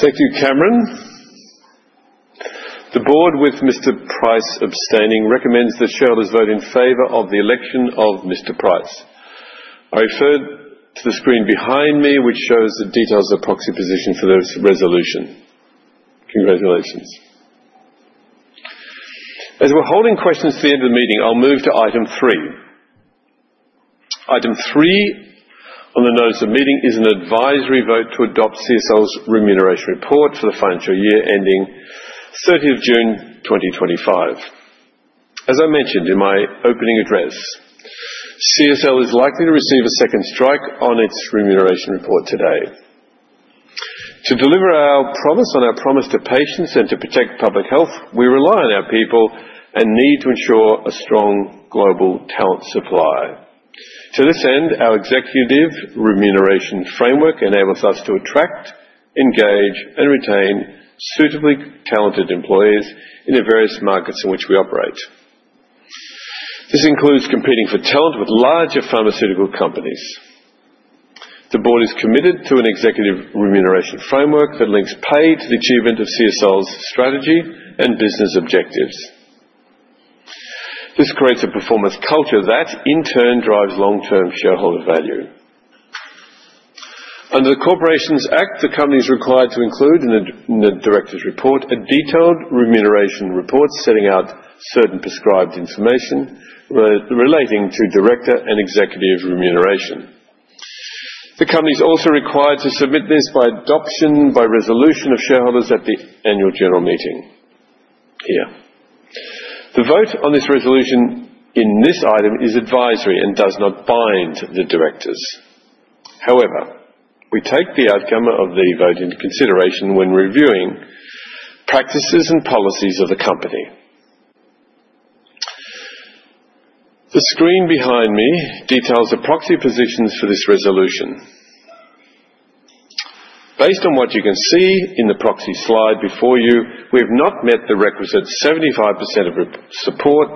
Thank you, Cameron. The board, with Mr. Price abstaining, recommends that shareholders vote in favor of the election of Mr. Price. I refer to the screen behind me, which shows the details of the proxy position for this resolution. Congratulations. As we're holding questions to the end of the meeting, I'll move to item three. Item three, on the Notice of Meeting, is an advisory vote to adopt CSL's Remuneration Report for the financial year ending 30th of June 2025. As I mentioned in my opening address, CSL is likely to receive a second strike on its Remuneration Report today. To deliver on our promise to patients and to protect public health, we rely on our people and need to ensure a strong global talent supply. To this end, our executive remuneration framework enables us to attract, engage, and retain suitably talented employees in the various markets in which we operate. This includes competing for talent with larger pharmaceutical companies. The board is committed to an executive remuneration framework that links pay to the achievement of CSL's strategy and business objectives. This creates a performance culture that, in turn, drives long-term shareholder value. Under the Corporations Act, the company is required to include in the director's report a detailed Remuneration Report setting out certain prescribed information relating to director and executive remuneration. The company is also required to submit this for adoption by resolution of shareholders at the annual general meeting here. The vote on this resolution in this item is advisory and does not bind the directors. However, we take the outcome of the vote into consideration when reviewing practices and policies of the company. The screen behind me details the proxy positions for this resolution. Based on what you can see in the proxy slide before you, we have not met the requisite 75% of support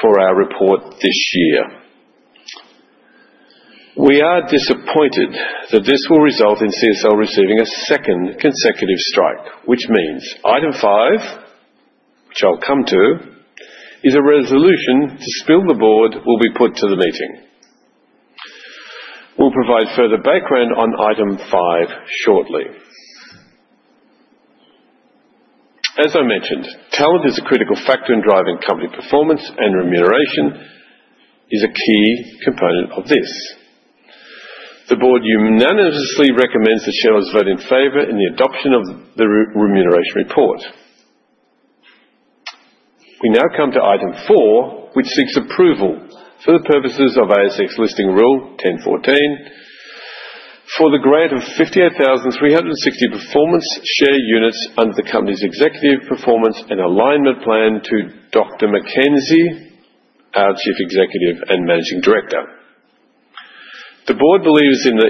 for our report this year. We are disappointed that this will result in CSL receiving a second consecutive strike, which means item five, which I'll come to, is a resolution to spill the board will be put to the meeting. We'll provide further background on item five shortly. As I mentioned, talent is a critical factor in driving company performance, and remuneration is a key component of this. The board unanimously recommends that shareholders vote in favor in the adoption of the Remuneration Report. We now come to item four, which seeks approval for the purposes of ASX listing rule 10.14 for the grant of 58,360 performance share units under the company's Executive Performance and Alignment Plan to Dr. McKenzie, our Chief Executive and Managing Director. The board believes in the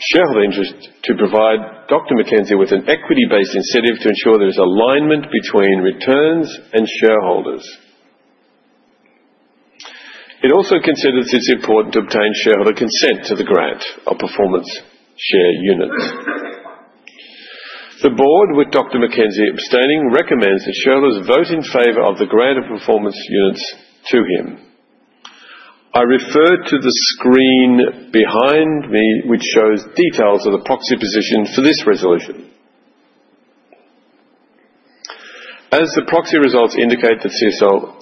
shareholder interest to provide Dr. McKenzie with an equity-based incentive to ensure there is alignment between returns and shareholders. It also considers it's important to obtain shareholder consent to the grant of performance share units. The board, with Dr. McKenzie abstaining, recommends that shareholders vote in favor of the grant of performance units to him. I refer to the screen behind me, which shows details of the proxy position for this resolution. As the proxy results indicate that CSL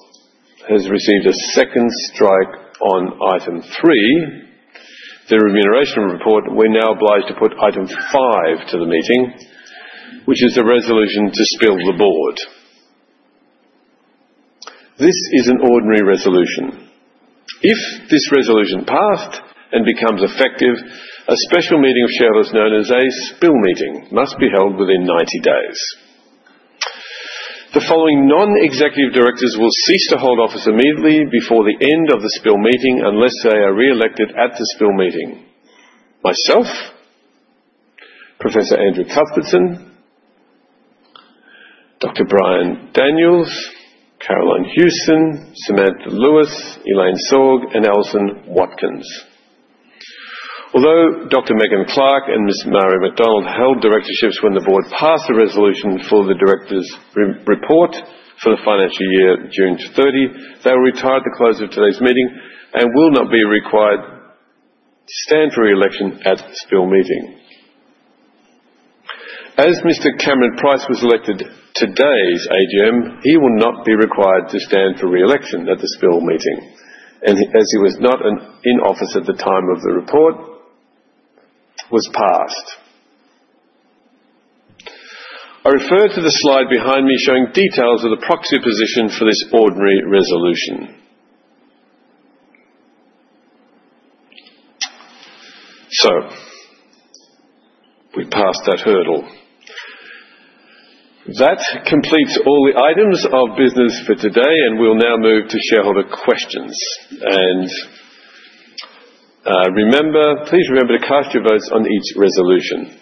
has received a second strike on item three, the Remuneration Report, we're now obliged to put item five to the meeting, which is a resolution to spill the board. This is an ordinary resolution. If this resolution passed and becomes effective, a special meeting of shareholders known as a spill meeting must be held within 90 days. The following non-executive directors will cease to hold office immediately before the end of the spill meeting unless they are re-elected at the spill meeting: myself, Professor Andrew Cuthbertson, Dr. Brian Daniels, Carolyn Hewson, Samantha Lewis, Elaine Sorg, and Alison Watkins. Although Dr. Megan Clark and Ms. Marie McDonald held directorships when the board passed the resolution for the director's report for the financial year June 30. They were retired at the close of today's meeting and will not be required to stand for re-election at the spill meeting. As Mr. Cameron Price was elected at today's AGM, he will not be required to stand for re-election at the spill meeting, and as he was not in office at the time the report was passed. I refer to the slide behind me showing details of the proxy position for this ordinary resolution, so we passed that hurdle. That completes all the items of business for today, and we'll now move to shareholder questions, and please remember to cast your votes on each resolution.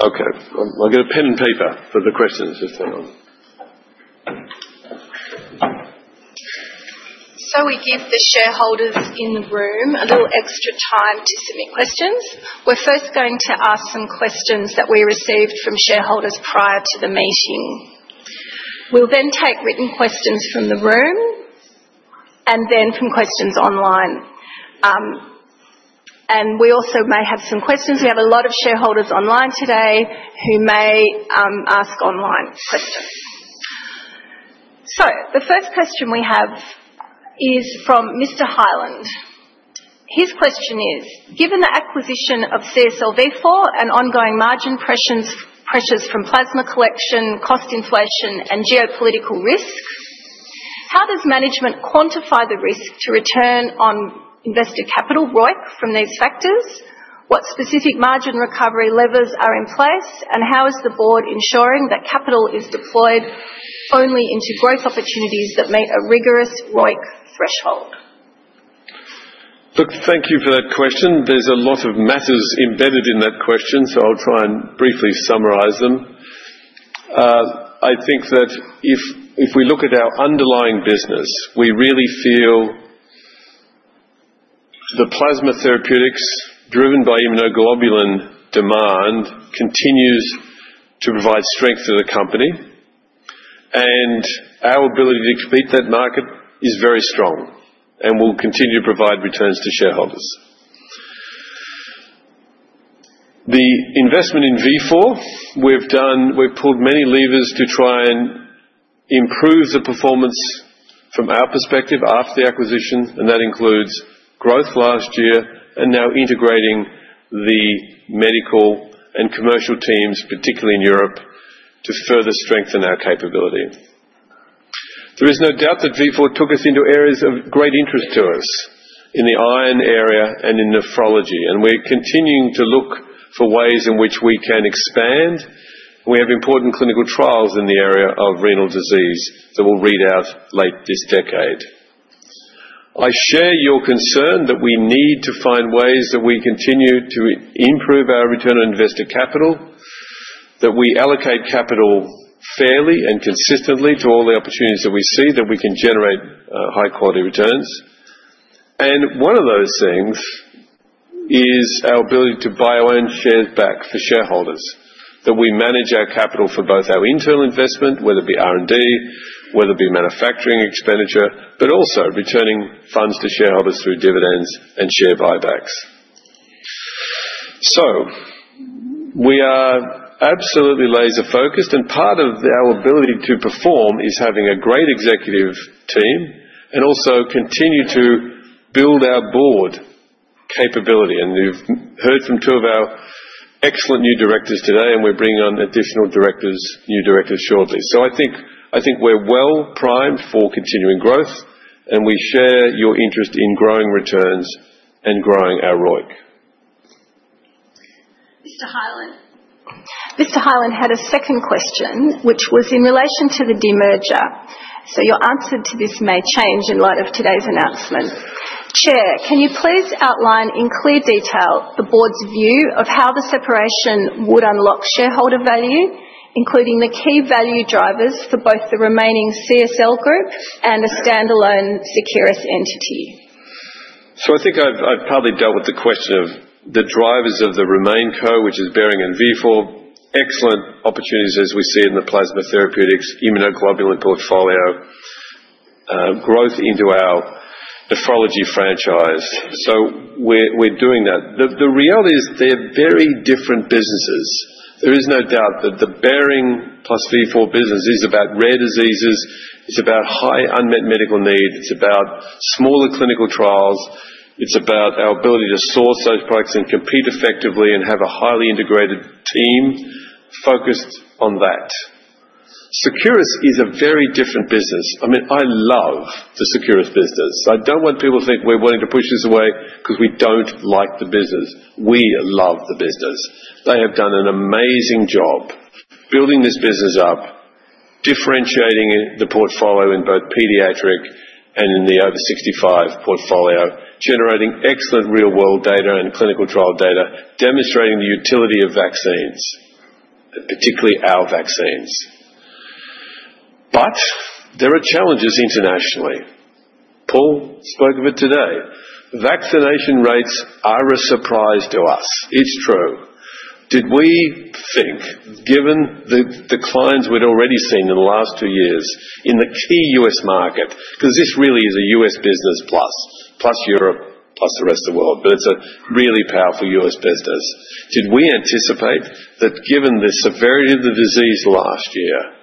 Okay. I'll get a pen and paper for the questions. Just hang on.
We give the shareholders in the room a little extra time to submit questions. We're first going to ask some questions that we received from shareholders prior to the meeting. We'll then take written questions from the room and then from questions online. And we also may have some questions. We have a lot of shareholders online today who may ask online questions. So the first question we have is from Mr. Hyland. His question is, "Given the acquisition of CSL Vifor and ongoing margin pressures from plasma collection, cost inflation, and geopolitical risks, how does management quantify the risk to return on invested capital, ROIC, from these factors? What specific margin recovery levers are in place, and how is the board ensuring that capital is deployed only into growth opportunities that meet a rigorous ROIC threshold?"
Thank you for that question. There's a lot of matters embedded in that question, so I'll try and briefly summarize them. I think that if we look at our underlying business, we really feel the plasma therapeutics driven by immunoglobulin demand continues to provide strength to the company, and our ability to compete that market is very strong and will continue to provide returns to shareholders. The investment in Vifor, we've pulled many levers to try and improve the performance from our perspective after the acquisition, and that includes growth last year and now integrating the medical and commercial teams, particularly in Europe, to further strengthen our capability. There is no doubt that Vifor took us into areas of great interest to us in the iron area and in nephrology, and we're continuing to look for ways in which we can expand. We have important clinical trials in the area of renal disease that we'll read out late this decade. I share your concern that we need to find ways that we continue to improve our return on invested capital, that we allocate capital fairly and consistently to all the opportunities that we see that we can generate high-quality returns. And one of those things is our ability to buy our own shares back for shareholders, that we manage our capital for both our internal investment, whether it be R&D, whether it be manufacturing expenditure, but also returning funds to shareholders through dividends and share buybacks. So we are absolutely laser-focused, and part of our ability to perform is having a great executive team and also continue to build our board capability. And you've heard from two of our excellent new directors today, and we're bringing on additional new directors shortly. So I think we're well primed for continuing growth, and we share your interest in growing returns and growing our ROIC.
Mr. Hyland. Mr. Hyland had a second question, which was in relation to the demerger. So your answer to this may change in light of today's announcement. Chair, can you please outline in clear detail the board's view of how the separation would unlock shareholder value, including the key value drivers for both the remaining CSL group and a standalone Seqirus entity?
So I think I've probably dealt with the question of the drivers of the remaining co., which is Behring and Vifor, excellent opportunities as we see in the plasma therapeutics immunoglobulin portfolio growth into our Nephrology franchise. So we're doing that. The reality is they're very different businesses. There is no doubt that the Behring plus Vifor business is about rare diseases. It's about high unmet medical needs. It's about smaller clinical trials. It's about our ability to source those products and compete effectively and have a highly integrated team focused on that. Seqirus is a very different business. I mean, I love the Seqirus business. I don't want people to think we're wanting to push this away because we don't like the business. We love the business. They have done an amazing job building this business up, differentiating the portfolio in both pediatric and in the over 65 portfolio, generating excellent real-world data and clinical trial data, demonstrating the utility of vaccines, particularly our vaccines. But there are challenges internationally. Paul spoke of it today. Vaccination rates are a surprise to us. It's true. Did we think, given the declines we'd already seen in the last two years in the key U.S. market, because this really is a U.S. business plus Europe plus the rest of the world, but it's a really powerful U.S. business, did we anticipate that given the severity of the disease last year,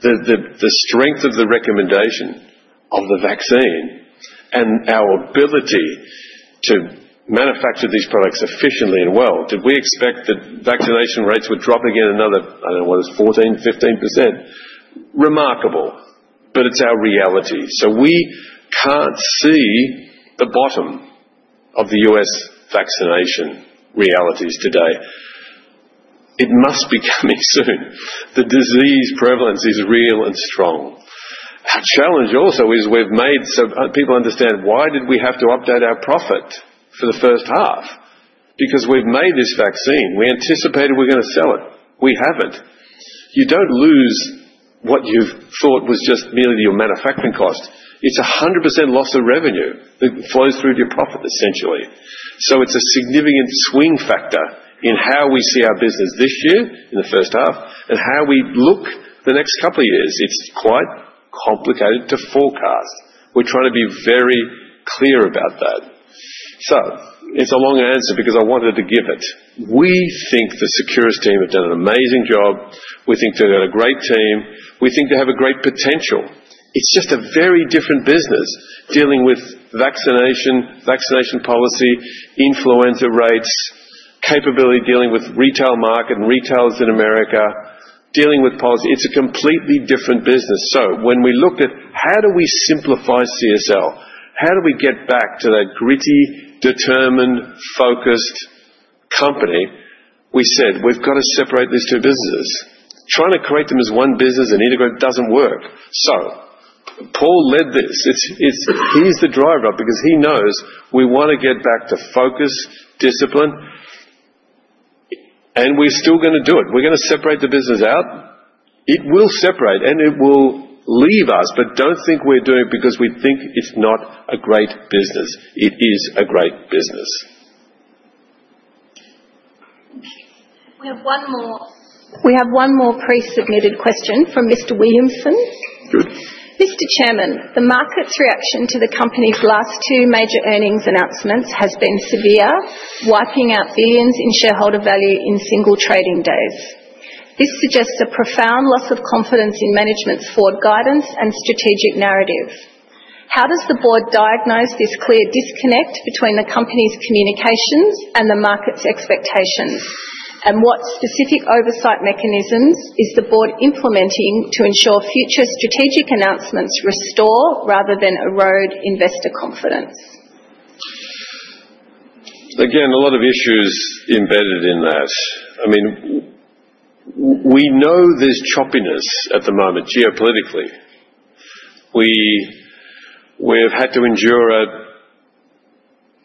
the strength of the recommendation of the vaccine and our ability to manufacture these products efficiently and well, did we expect that vaccination rates would drop again another, I don't know what it is, 14%-15%? Remarkable, but it's our reality. So we can't see the bottom of the U.S. vaccination realities today. It must be coming soon. The disease prevalence is real and strong. Our challenge also is we've made so people understand why did we have to update our profit for the first half? Because we've made this vaccine. We anticipated we're going to sell it. We haven't. You don't lose what you've thought was just merely your manufacturing cost. It's a 100% loss of revenue that flows through to your profit, essentially. So it's a significant swing factor in how we see our business this year in the first half and how we look the next couple of years. It's quite complicated to forecast. We're trying to be very clear about that. So it's a long answer because I wanted to give it. We think the Seqirus team have done an amazing job. We think they've got a great team. We think they have a great potential. It's just a very different business dealing with vaccination, vaccination policy, influenza rates, capability dealing with retail market and retailers in America, dealing with policy. It's a completely different business. So when we looked at how do we simplify CSL, how do we get back to that gritty, determined, focused company, we said, "We've got to separate these two businesses." Trying to create them as one business and integrate doesn't work. So Paul led this. He's the driver because he knows we want to get back to focus, discipline, and we're still going to do it. We're going to separate the business out. It will separate, and it will leave us, but don't think we're doing it because we think it's not a great business. It is a great business.
We have one more. We have one more pre-submitted question from Mr. Williamson. Mr. Chairman, the market's reaction to the company's last two major earnings announcements has been severe, wiping out billions in shareholder value in single trading days. This suggests a profound loss of confidence in management's forward guidance and strategic narrative. How does the board diagnose this clear disconnect between the company's communications and the market's expectations, and what specific oversight mechanisms is the board implementing to ensure future strategic announcements restore rather than erode investor confidence?
Again, a lot of issues embedded in that. I mean, we know there's choppiness at the moment geopolitically. We have had to endure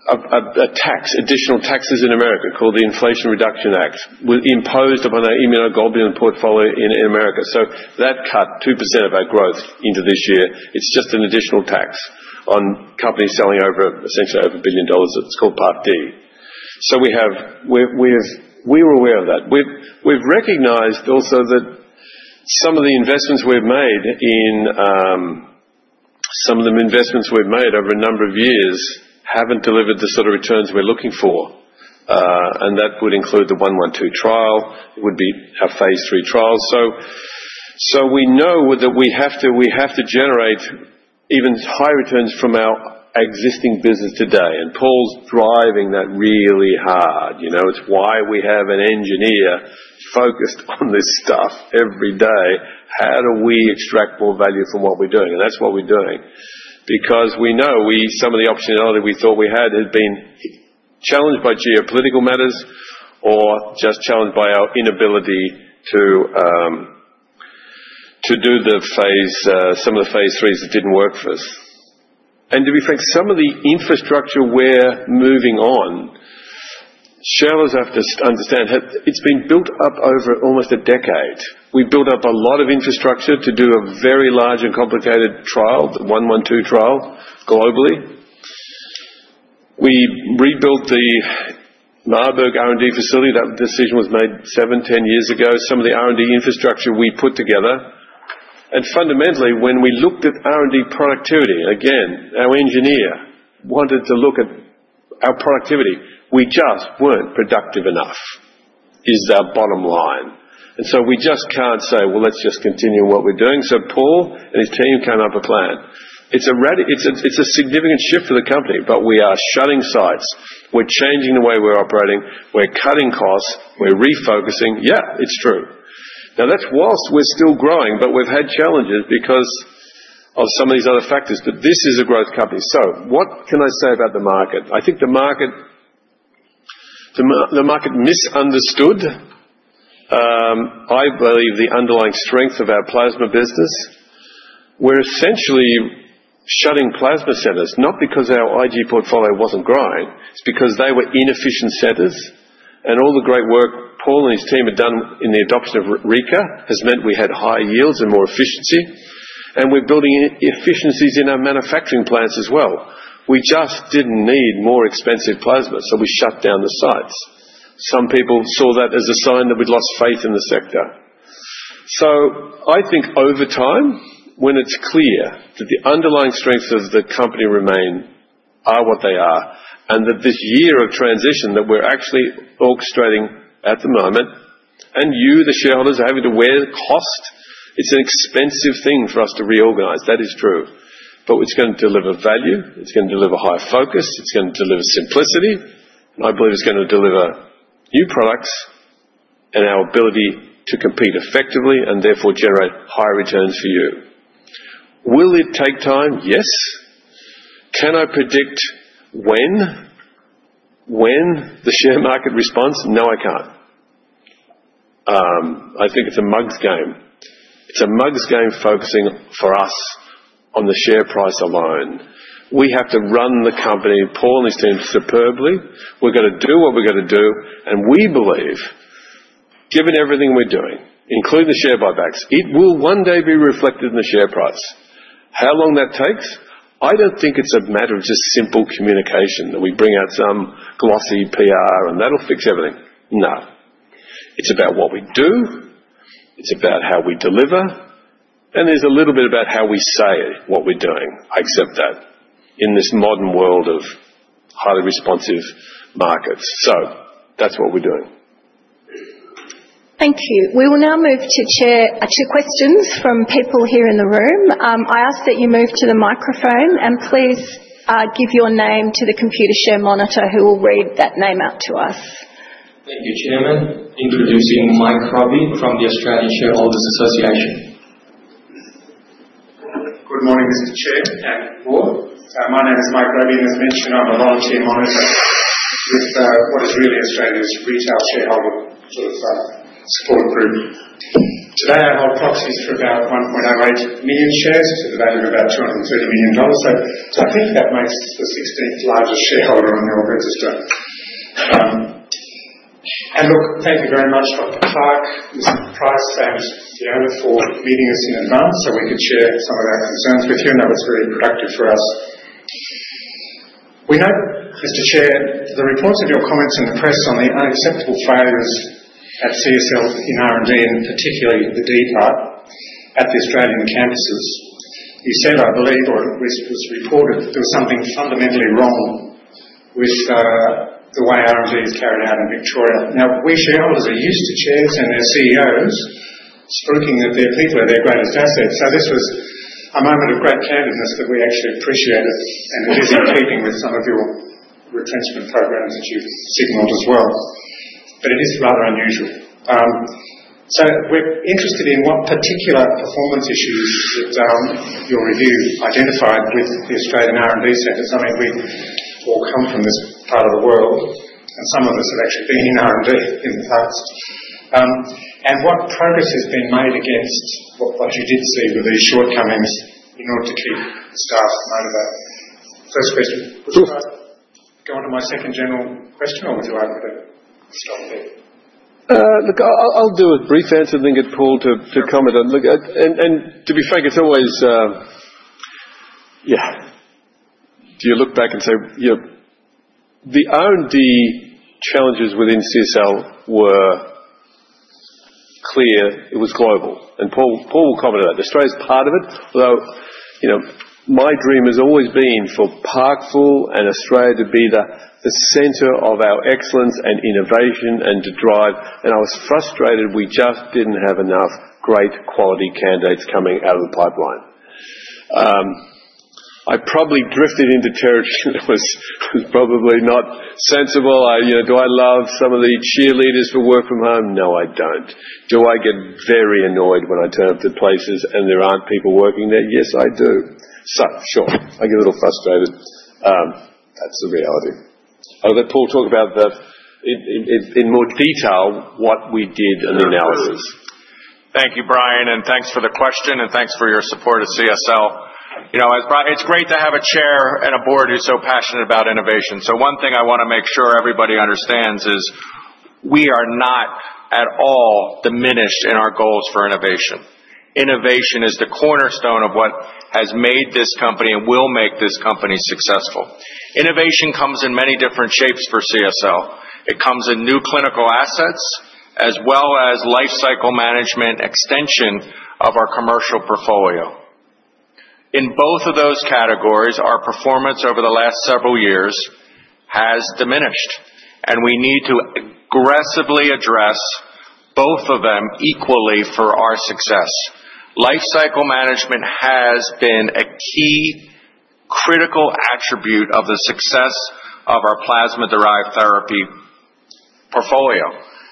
additional taxes in America called the Inflation Reduction Act imposed upon our immunoglobulin portfolio in America. So that cut 2% of our growth into this year. It's just an additional tax on companies selling essentially over $1 billion. It's called Part D. So we are aware of that. We've recognized also that some of the investments we've made in some of the investments we've made over a number of years haven't delivered the sort of returns we're looking for, and that would include the 112 trial. It would be our phase III trial. So we know that we have to generate even higher returns from our existing business today, and Paul's driving that really hard. It's why we have an engineer focused on this stuff every day. How do we extract more value from what we're doing? And that's what we're doing because we know some of the opportunity we thought we had had been challenged by geopolitical matters or just challenged by our inability to do some of the phase threes that didn't work for us. And to be frank, some of the infrastructure we're moving on, shareholders have to understand it's been built up over almost a decade. We built up a lot of infrastructure to do a very large and complicated trial, the 112 trial globally. We rebuilt the Marburg R&D facility. That decision was made seven, 10 years ago. Some of the R&D infrastructure we put together. And fundamentally, when we looked at R&D productivity, again, our engineer wanted to look at our productivity. We just weren't productive enough is our bottom line. And so we just can't say, "Well, let's just continue what we're doing." So Paul and his team came up with a plan. It's a significant shift for the company, but we are shutting sites. We're changing the way we're operating. We're cutting costs. We're refocusing. Yeah, it's true. Now, that's while we're still growing, but we've had challenges because of some of these other factors. But this is a growth company. So what can I say about the market? I think the market misunderstood, I believe, the underlying strength of our plasma business. We're essentially shutting plasma centers, not because our IG portfolio wasn't growing. It's because they were inefficient centers. And all the great work Paul and his team had done in the adoption of Rika has meant we had higher yields and more efficiency. And we're building efficiencies in our manufacturing plants as well. We just didn't need more expensive plasma, so we shut down the sites. Some people saw that as a sign that we'd lost faith in the sector. So I think over time, when it's clear that the underlying strengths of the company remain are what they are and that this year of transition that we're actually orchestrating at the moment and you, the shareholders, are having to wear the cost, it's an expensive thing for us to reorganize. That is true. But it's going to deliver value. It's going to deliver high focus. It's going to deliver simplicity. I believe it's going to deliver new products and our ability to compete effectively and therefore generate higher returns for you. Will it take time? Yes. Can I predict when the share market response? No, I can't. I think it's a mug's game. It's a mug's game focusing for us on the share price alone. We have to run the company. Paul and his team superbly. We've got to do what we've got to do. And we believe, given everything we're doing, including the share buybacks, it will one day be reflected in the share price. How long that takes? I don't think it's a matter of just simple communication that we bring out some glossy PR and that'll fix everything. No. It's about what we do. It's about how we deliver. And there's a little bit about how we say what we're doing. I accept that in this modern world of highly responsive markets. So that's what we're doing.
Thank you. We will now move to two questions from people here in the room. I ask that you move to the microphone and please give your name to the Computershare monitor who will read that name out to us.
Thank you, Chairman. Introducing Mike Robey from the Australian Shareholders' Association.
Good morning, Mr. Chair and board. My name is Mike Robey. As mentioned, I'm a volunteer monitor with what is really Australia's retail shareholder sort of support group. Today, I hold proxies for about 1.08 million shares to the value of about 230 million dollars. So I think that makes the 16th largest shareholder on the old register. And look, thank you very much, Dr. Clark, Mr. Price, and Fiona for meeting us in advance so we could share some of our concerns with you. I know it's very productive for us. We note, Mr. Chair, the reports of your comments in the press on the unacceptable failures at CSL in R&D and particularly the D part at the Australian campuses. You said, I believe, or it was reported, there was something fundamentally wrong with the way R&D is carried out in Victoria. Now, we shareholders are used to chairs and their CEOs stroking their people at their greatest asset. This was a moment of great candidness that we actually appreciated. It is in keeping with some of your retrenchment programs that you've signaled as well. It is rather unusual. We're interested in what particular performance issues that your review identified with the Australian R&D centers. I mean, we all come from this part of the world, and some of us have actually been in R&D in the past. What progress has been made against what you did see with these shortcomings in order to keep staff motivated? First question. Would you like to go on to my second general question, or would you like me to stop there?
Look, I'll do a brief answer and then get Paul to comment on. To be frank, it's always, yeah, do you look back and say, the R&D challenges within CSL were clear. It was global. And Paul will comment on that. Australia's part of it. Although my dream has always been for Parkville and Australia to be the center of our excellence and innovation and to drive. And I was frustrated we just didn't have enough great quality candidates coming out of the pipeline. I probably drifted into territory that was probably not sensible. Do I love some of the cheerleaders for work from home? No, I don't. Do I get very annoyed when I turn up to places and there aren't people working there? Yes, I do. Sure. I get a little frustrated. That's the reality. I'll let Paul talk about that in more detail, what we did and the analysis.
Thank you, Brian. And thanks for the question, and thanks for your support of CSL. It's great to have a chair and a board who's so passionate about innovation. So one thing I want to make sure everybody understands is we are not at all diminished in our goals for innovation. Innovation is the cornerstone of what has made this company and will make this company successful. Innovation comes in many different shapes for CSL. It comes in new clinical assets as well as lifecycle management extension of our commercial portfolio. In both of those categories, our performance over the last several years has diminished, and we need to aggressively address both of them equally for our success. Lifecycle management has been a key critical attribute of the success of our plasma-derived therapy portfolio,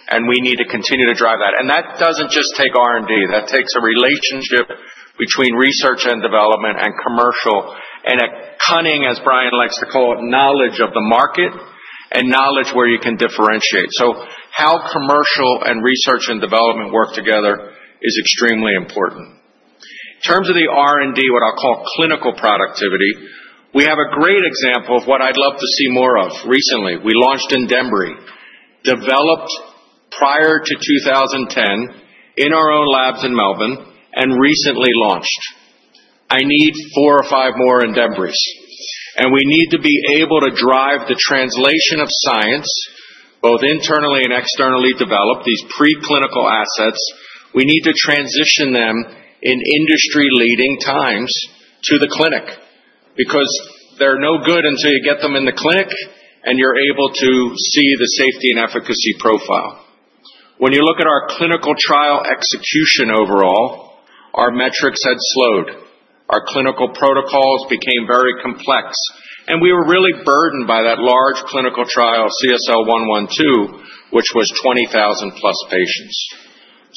and we need to continue to drive that. And that doesn't just take R&D. That takes a relationship between research and development and commercial and a cunning, as Brian likes to call it, knowledge of the market and knowledge where you can differentiate. How commercial and research and development work together is extremely important. In terms of the R&D, what I'll call clinical productivity, we have a great example of what I'd love to see more of recently. We launched Andembry, developed prior to 2010 in our own labs in Melbourne, and recently launched. I need four or five more Andembrys. And we need to be able to drive the translation of science, both internally and externally developed, these preclinical assets. We need to transition them in industry-leading times to the clinic because they're no good until you get them in the clinic and you're able to see the safety and efficacy profile. When you look at our clinical trial execution overall, our metrics had slowed. Our clinical protocols became very complex. And we were really burdened by that large clinical trial, CSL112, which was 20,000-plus patients.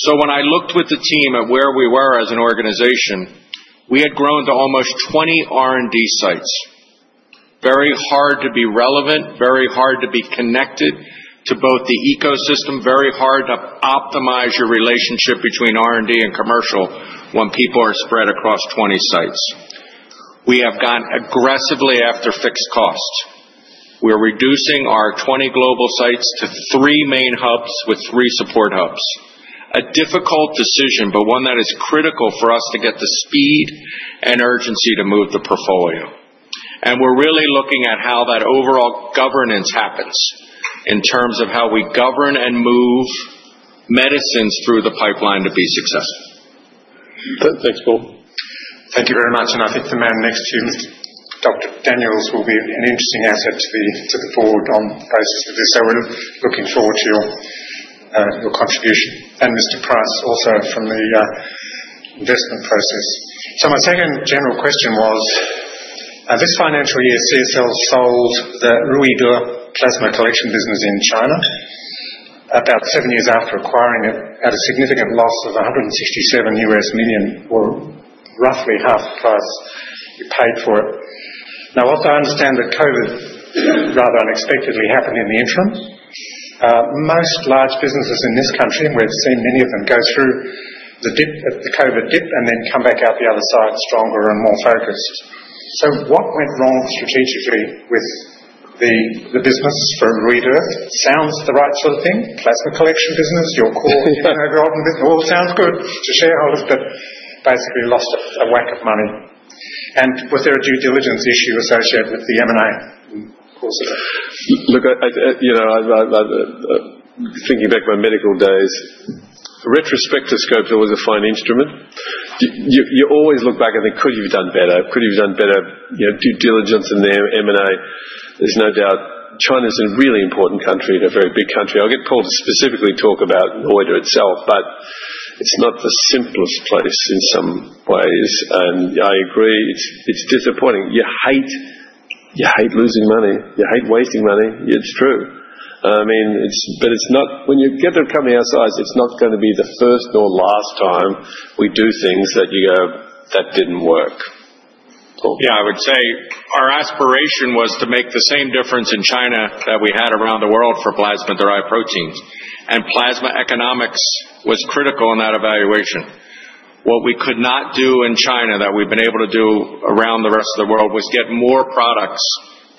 When I looked with the team at where we were as an organization, we had grown to almost 20 R&D sites. Very hard to be relevant, very hard to be connected to both the ecosystem, very hard to optimize your relationship between R&D and commercial when people are spread across 20 sites. We have gone aggressively after fixed costs. We're reducing our 20 global sites to three main hubs with three support hubs. A difficult decision, but one that is critical for us to get the speed and urgency to move the portfolio. We're really looking at how that overall governance happens in terms of how we govern and move medicines through the pipeline to be successful.
Thanks, Paul. Thank you very much. I think the man next to you, Dr. Daniels, will be an interesting asset to the board on both of this. So we're looking forward to your contribution. And Mr. Price also from the investment process. So my second general question was, this financial year, CSL sold the Ruide plasma collection business in China about seven years after acquiring it at a significant loss of $167 million or roughly half price you paid for it. Now, I understand that COVID rather unexpectedly happened in the interim. Most large businesses in this country, and we've seen many of them go through the COVID dip and then come back out the other side stronger and more focused. So what went wrong strategically with the business for Ruide? Sounds the right sort of thing. Plasma collection business, your core golden business, all sounds good to shareholders, but basically lost a whack of money. And was there a due diligence issue associated with the M&A?
Look, thinking back to my medical days, retrospectoscope is always a fine instrument. You always look back and think, "Could you have done better? Could you have done better due diligence in the M&A?" There's no doubt China is a really important country. They're a very big country. I'll get Paul to specifically talk about Ruide itself, but it's not the simplest place in some ways, and I agree. It's disappointing. You hate losing money. You hate wasting money. It's true. I mean, but when you get to a company our size, it's not going to be the first or last time we do things that you go, "That didn't work." Yeah, I would say our aspiration was to make the same difference in China that we had around the world for plasma-derived proteins, and plasma economics was critical in that evaluation. What we could not do in China that we've been able to do around the rest of the world was get more products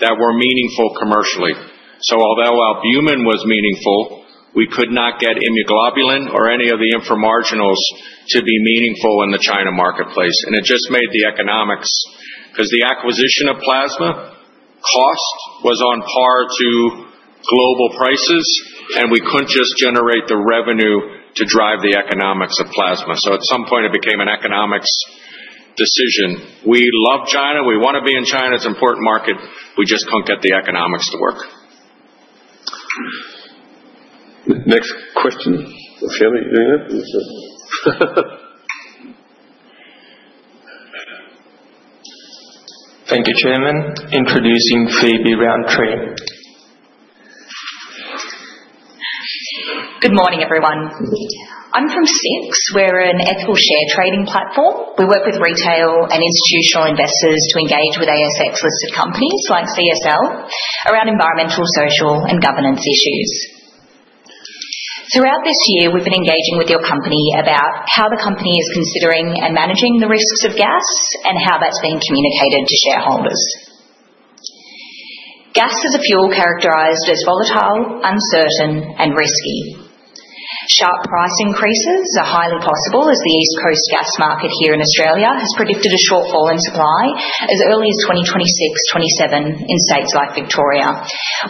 that were meaningful commercially. So although albumin was meaningful, we could not get immunoglobulin or any of the inframarginals to be meaningful in the China marketplace. And it just made the economics because the acquisition of plasma cost was on par to global prices, and we couldn't just generate the revenue to drive the economics of plasma. So at some point, it became an economics decision. We love China. We want to be in China. It's an important market. We just couldn't get the economics to work. Next question.
Thank you, Chairman. Introducing Phoebe Rountree.
Good morning, everyone. I'm from SIX. We're an ethical share trading platform. We work with retail and institutional investors to engage with ASX-listed companies like CSL around environmental, social, and governance issues. Throughout this year, we've been engaging with your company about how the company is considering and managing the risks of gas and how that's being communicated to shareholders. Gas is a fuel characterized as volatile, uncertain, and risky. Sharp price increases are highly possible as the East Coast gas market here in Australia has predicted a shortfall in supply as early as 2026, 2027 in states like Victoria,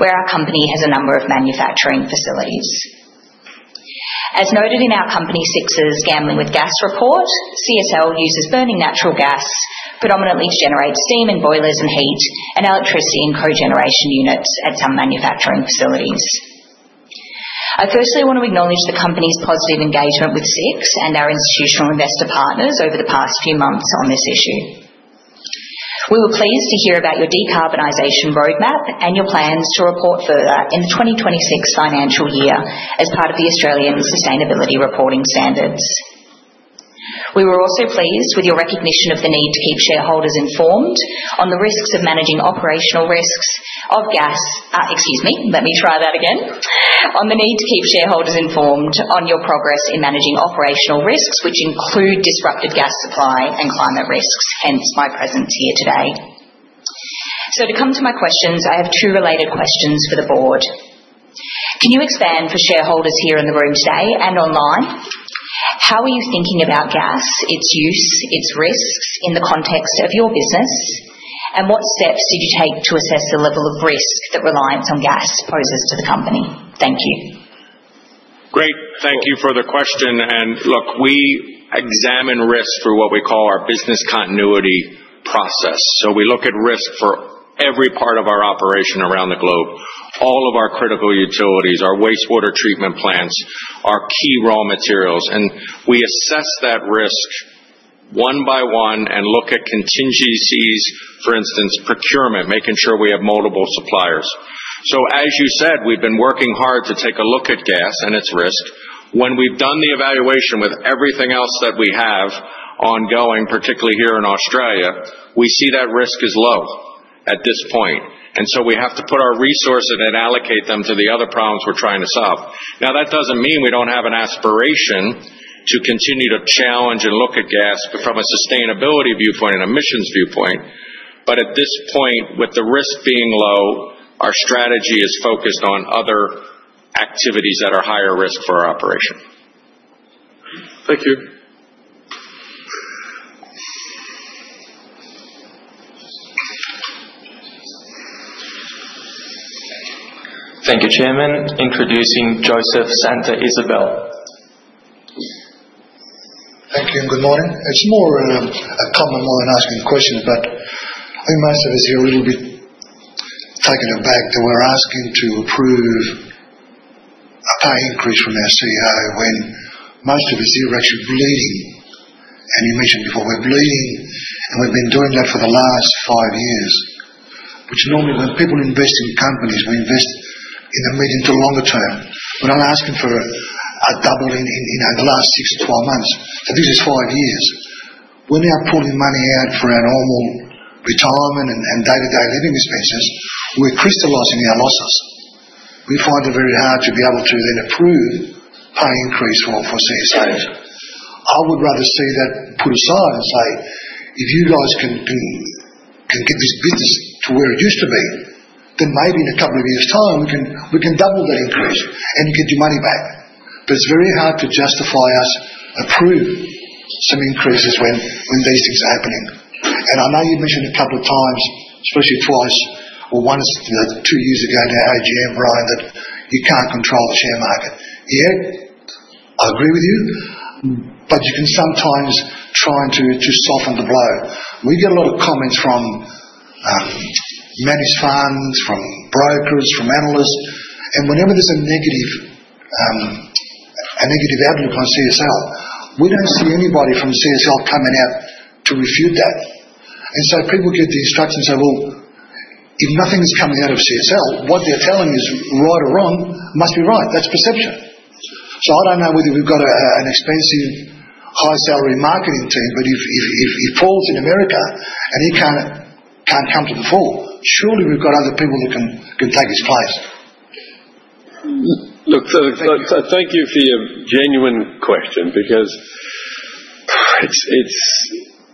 where our company has a number of manufacturing facilities. As noted in our company, SIX's Gambling with Gas report, CSL uses burning natural gas predominantly to generate steam and boilers and heat and electricity and cogeneration units at some manufacturing facilities. I firstly want to acknowledge the company's positive engagement with SIX and our institutional investor partners over the past few months on this issue. We were pleased to hear about your decarbonization roadmap and your plans to report further in the 2026 financial year as part of the Australian Sustainability Reporting Standards. We were also pleased with your recognition of the need to keep shareholders informed on your progress in managing operational risks, which include disruptive gas supply and climate risks, hence my presence here today. So to come to my questions, I have two related questions for the board. Can you expand for shareholders here in the room today and online? How are you thinking about gas, its use, its risks in the context of your business? And what steps did you take to assess the level of risk that reliance on gas poses to the company? Thank you.
Great. Thank you for the question. Look, we examine risk through what we call our business continuity process. We look at risk for every part of our operation around the globe. All of our critical utilities, our wastewater treatment plants, our key raw materials. We assess that risk one by one and look at contingencies, for instance, procurement, making sure we have multiple suppliers. As you said, we've been working hard to take a look at gas and its risk. When we've done the evaluation with everything else that we have ongoing, particularly here in Australia, we see that risk is low at this point. We have to put our resources and allocate them to the other problems we're trying to solve. Now, that doesn't mean we don't have an aspiration to continue to challenge and look at gas from a sustainability viewpoint and an emissions viewpoint. But at this point, with the risk being low, our strategy is focused on other activities that are higher risk for our operation. Thank you.
Thank you, Chairman. Introducing Joseph Santa Isabel.
Thank you. Good morning. It's more a comment one asking questions, but I think most of us here a little bit taken aback that we're asking to approve a pay increase for our CEO when most of us here are actually bleeding. And you mentioned before, we're bleeding, and we've been doing that for the last five years, which normally when people invest in companies, we invest in the medium to longer term. But I'm asking for a double in the last six to 12 months. So this is five years. We're now pulling money out for our normal retirement and day-to-day living expenses. We're crystallizing our losses. We find it very hard to be able to then approve pay increase for C-SOs. I would rather see that put aside and say, "If you guys can get this business to where it used to be, then maybe in a couple of years' time, we can double that increase and you can do money back." But it's very hard to justify us approving some increases when these things are happening. And I know you've mentioned a couple of times, especially twice or once two years ago now, AGM, Brian, that you can't control the share market. Yeah, I agree with you, but you can sometimes try to soften the blow. We get a lot of comments from managed funds, from brokers, from analysts. And whenever there's a negative outlook on CSL, we don't see anybody from CSL coming out to refute that. And so people get the impression and say, "Well, if nothing's coming out of CSL, what they're telling us, right or wrong, must be right." That's perception. So I don't know whether we've got an expensive, high-salary marketing team, but if Paul's in America and he can't come to the fore, surely we've got other people that can take his place.
Look, thank you for your genuine question because it's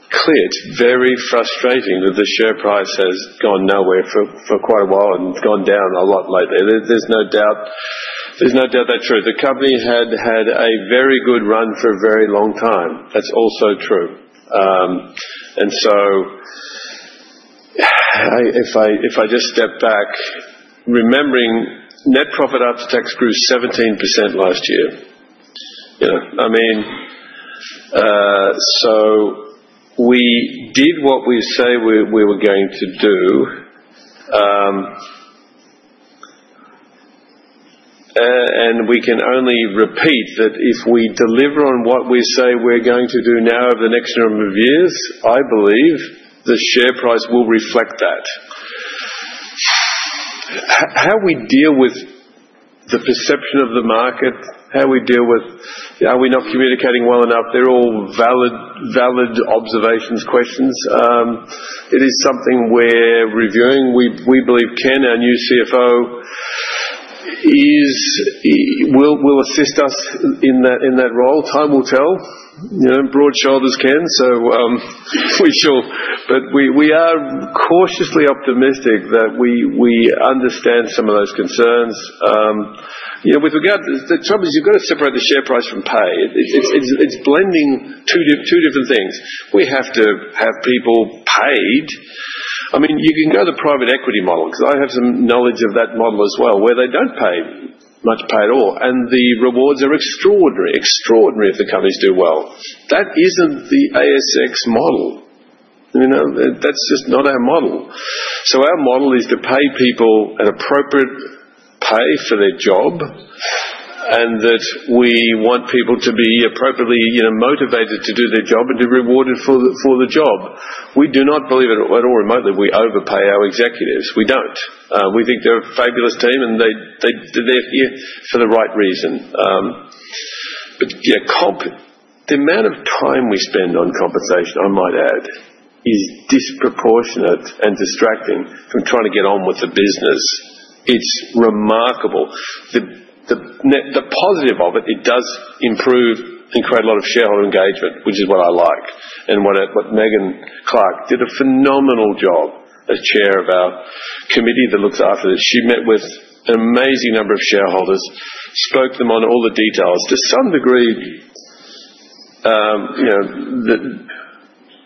clear it's very frustrating that the share price has gone nowhere for quite a while and gone down a lot lately. There's no doubt that's true. The company had a very good run for a very long time. That's also true. And so if I just step back, remembering net profit after tax grew 17% last year. I mean, so we did what we say we were going to do, and we can only repeat that if we deliver on what we say we're going to do now over the next number of years, I believe the share price will reflect that. How we deal with the perception of the market, how we deal with how we're not communicating well enough, they're all valid observations, questions. It is something we're reviewing. We believe Ken, our new CFO, will assist us in that role. Time will tell. Broad shoulders can, so we shall, but we are cautiously optimistic that we understand some of those concerns. With regard to the troubles, you've got to separate the share price from pay. It's blending two different things. We have to have people paid. I mean, you can go to the private equity model because I have some knowledge of that model as well where they don't pay much at all and the rewards are extraordinary if the companies do well. That isn't the ASX model. That's just not our model, so our model is to pay people an appropriate pay for their job and that we want people to be appropriately motivated to do their job and to be rewarded for the job. We do not believe at all remotely we overpay our executives. We don't. We think they're a fabulous team and they're here for the right reason, but the amount of time we spend on compensation, I might add, is disproportionate and distracting from trying to get on with the business. It's remarkable. The positive of it, it does improve and create a lot of shareholder engagement, which is what I like, and what Megan Clark did a phenomenal job as chair of our committee that looks after this. She met with an amazing number of shareholders, spoke to them on all the details. To some degree,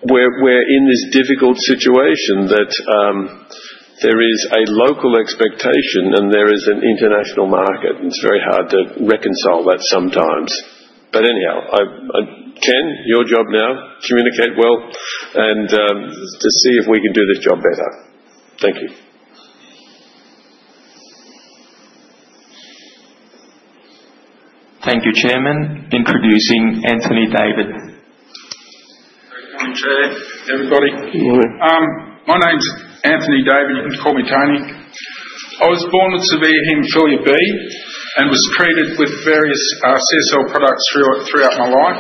we're in this difficult situation that there is a local expectation and there is an international market. It's very hard to reconcile that sometimes. But anyhow, Ken, your job now, communicate well and to see if we can do this job better. Thank you.
Thank you, Chairman. Introducing Anthony David.
Good morning, Chair. Everybody. Good morning. My name's Anthony David. You can call me Tony. I was born with severe hemophilia B and was treated with various CSL products throughout my life.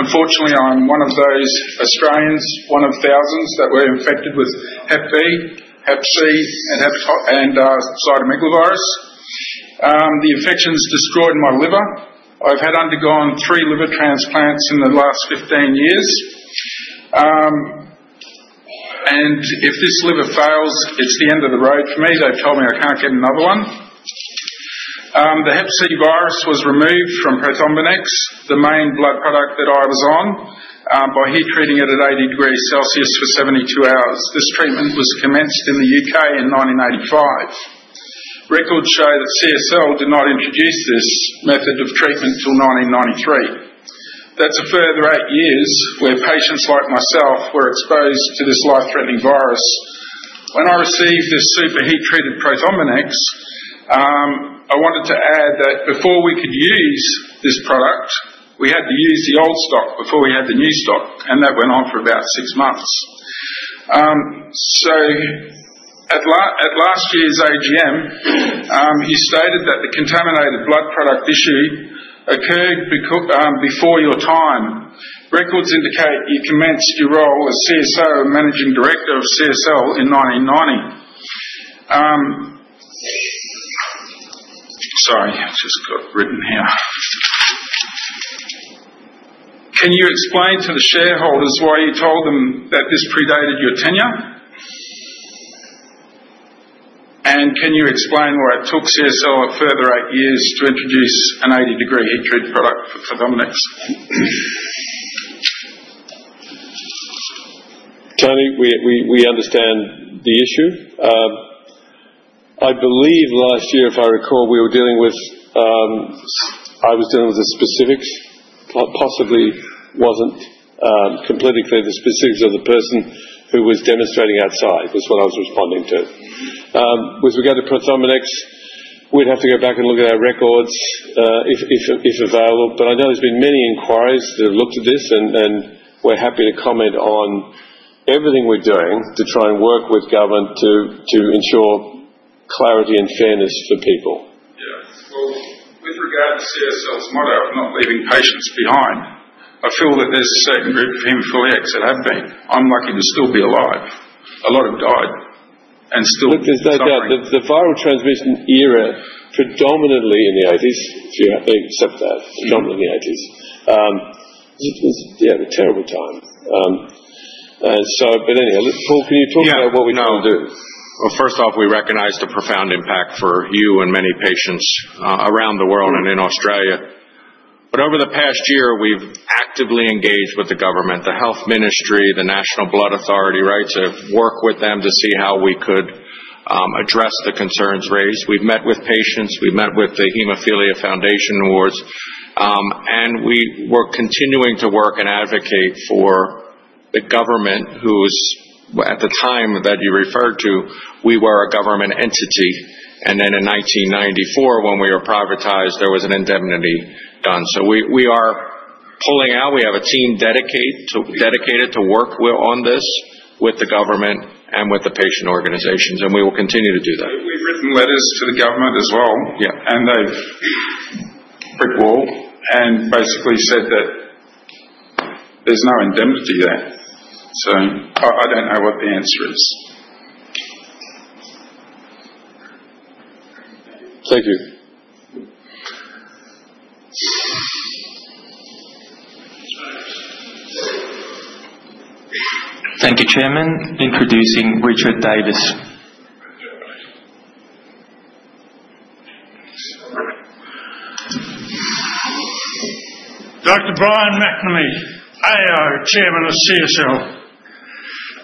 Unfortunately, I'm one of those Australians, one of thousands that were infected with Hep B, Hep C, and cytomegalovirus. The infection's destroyed my liver. I've had undergone three liver transplants in the last 15 years, and if this liver fails, it's the end of the road for me. They've told me I can't get another one. The Hep C virus was removed from Prothrombinex, the main blood product that I was on, by heat treating it at 80 degrees Celsius for 72 hours. This treatment was commenced in the U.K. in 1985. Records show that CSL did not introduce this method of treatment until 1993. That's a further eight years where patients like myself were exposed to this life-threatening virus. When I received this super heat-treated Prothrombinex, I wanted to add that before we could use this product, we had to use the old stock before we had the new stock. And that went on for about six months. So at last year's AGM, he stated that the contaminated blood product issue occurred before your time. Records indicate you commenced your role as CEO and managing director of CSL in 1990. Sorry, I just got written here. Can you explain to the shareholders why you told them that this predated your tenure? And can you explain why it took CSL a further eight years to introduce an 80-degree heat-treated product for Prothrombinex?
Tony, we understand the issue. I believe last year, if I recall, we were dealing with the specifics. Possibly wasn't completely clear the specifics of the person who was demonstrating outside. That's what I was responding to. With regard to Prothrombinex, we'd have to go back and look at our records if available. But I know there's been many inquiries that have looked at this, and we're happy to comment on everything we're doing to try and work with government to ensure clarity and fairness for people.
Yeah. Well, with regard to CSL's motto of not leaving patients behind, I feel that there's a certain group of hemophiliacs that have been unlucky to still be alive. A lot have died and still.
Look, the viral transmission era predominantly in the '80s, if you accept that, predominantly in the '80s. Yeah, it was a terrible time. But anyhow, Paul, can you talk about what we can do?
Well, first off, we recognize the profound impact for you and many patients around the world and in Australia. But over the past year, we've actively engaged with the government, the Health Ministry, the National Blood Authority, right, to work with them to see how we could address the concerns raised. We've met with patients. We've met with the Haemophilia Foundation Australia. And we were continuing to work and advocate for the government who was, at the time that you referred to, we were a government entity. And then in 1994, when we were privatized, there was an indemnity done. So we are pulling out. We have a team dedicated to work on this with the government and with the patient organizations. And we will continue to do that.
We've written letters to the government as well. And they've read it all and basically said that there's no indemnity there. So I don't know what the answer is. Thank you.
Thank you, Chairman. Introducing Richard Davis.
Dr. Brian McNamee, AO, Chairman of CSL.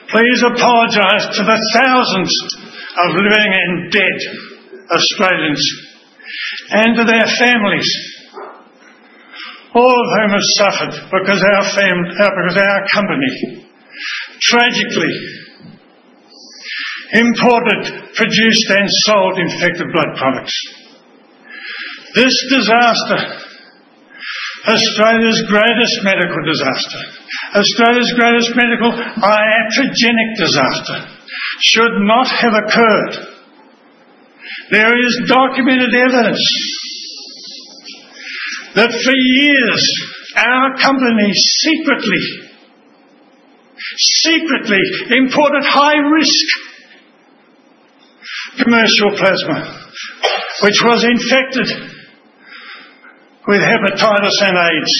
Please apologize to the thousands of living and dead Australians and to their families, all of whom have suffered because our company, tragically, imported, produced, and sold infected blood products. This disaster, Australia's greatest medical disaster, Australia's greatest medical iatrogenic disaster, should not have occurred. There is documented evidence that for years, our company secretly, secretly imported high-risk commercial plasma, which was infected with hepatitis and AIDS.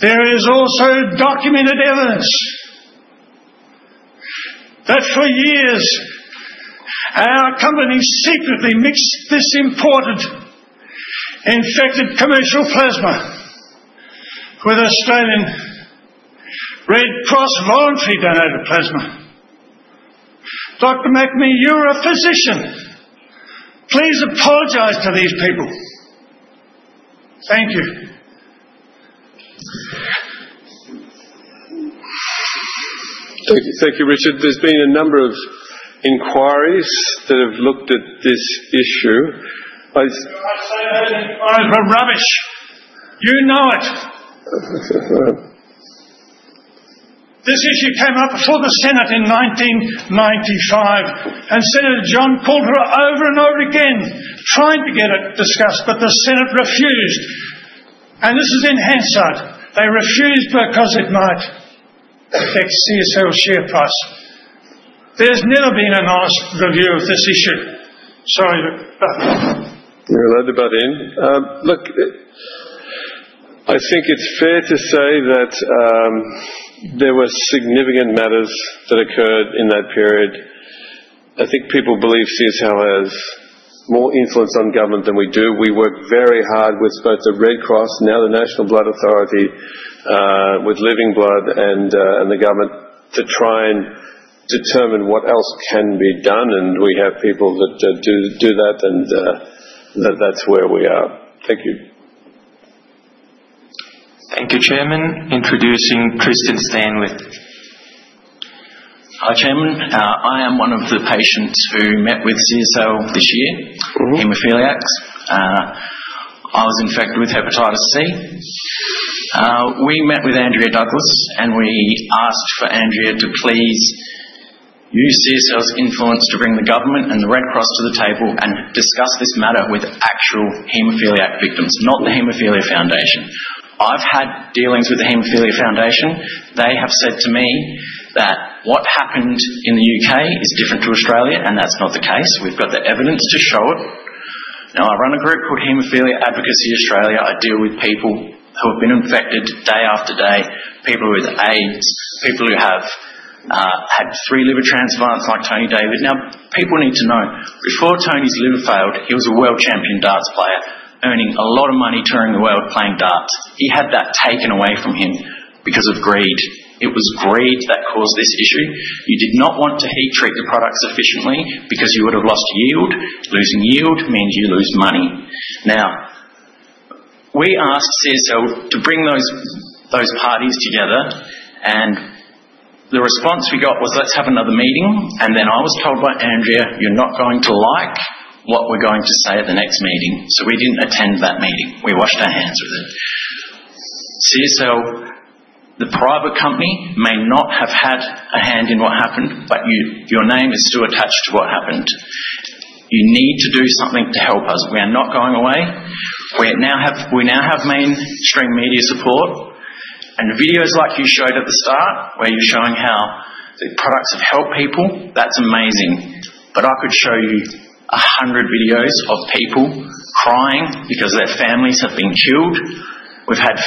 There is also documented evidence that for years, our company secretly mixed this imported infected commercial plasma with Australian Red Cross voluntary donated plasma. Dr. McNamee, you're a physician. Please apologize to these people. Thank you.
Thank you, Richard. There's been a number of inquiries that have looked at this issue.
I'd say that it's rubbish. You know it. This issue came up before the Senate in 1995. And Senator John Coulter over and over again, trying to get it discussed, but the Senate refused. And this is in Hansard. They refused because it might affect CSL's share price. There's never been an honest review of this issue. Sorry.
You're allowed to butt in. Look, I think it's fair to say that there were significant matters that occurred in that period. I think people believe CSL has more influence on government than we do. We work very hard with both the Red Cross, now the National Blood Authority, with Lifeblood and the government to try and determine what else can be done. And we have people that do that, and that's where we are. Thank you.
Thank you, Chairman. Introducing Tristan Stanworth.
Hi, Chairman. I am one of the patients who met with CSL this year, hemophiliacs. I was infected with Hepatitis C. We met with Andrea Douglas, and we asked for Andrea to please use CSL's influence to bring the government and the Red Cross to the table and discuss this matter with actual hemophiliac victims, not the Haemophilia Foundation. I've had dealings with the Haemophilia Foundation. They have said to me that what happened in the U.K. is different to Australia, and that's not the case. We've got the evidence to show it. Now, I run a group called Haemophilia Advocacy Australia. I deal with people who have been infected day after day, people with AIDS, people who have had three liver transplants like Tony David. Now, people need to know, before Tony's liver failed, he was a world champion darts player, earning a lot of money touring the world playing darts. He had that taken away from him because of greed. It was greed that caused this issue. You did not want to heat treat the products sufficiently because you would have lost yield. Losing yield means you lose money. Now, we asked CSL to bring those parties together, and the response we got was, "Let's have another meeting," and then I was told by Andrea, "You're not going to like what we're going to say at the next meeting," so we didn't attend that meeting. We washed our hands with it. CSL, the private company may not have had a hand in what happened, but your name is still attached to what happened. You need to do something to help us. We are not going away. We now have mainstream media support, and videos like you showed at the start where you're showing how the products have helped people, that's amazing. But I could show you 100 videos of people crying because their families have been killed. We've had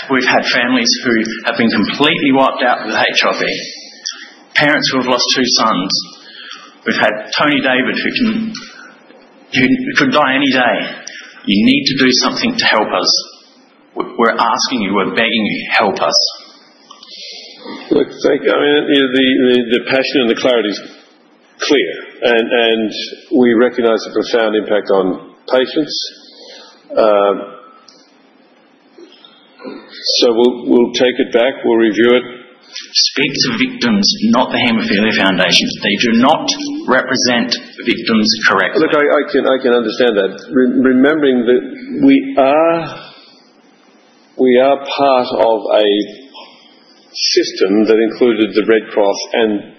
families who have been completely wiped out with HIV, parents who have lost two sons. We've had Anthony David who could die any day. You need to do something to help us. We're asking you, we're begging you, help us.
Look, thank you. I mean, the passion and the clarity is clear. And we recognize the profound impact on patients. So we'll take it back. We'll review it.
Speak to victims, not the Haemophilia Foundation. They do not represent victims correctly.
Look, I can understand that. Remembering that we are part of a system that included the Red Cross and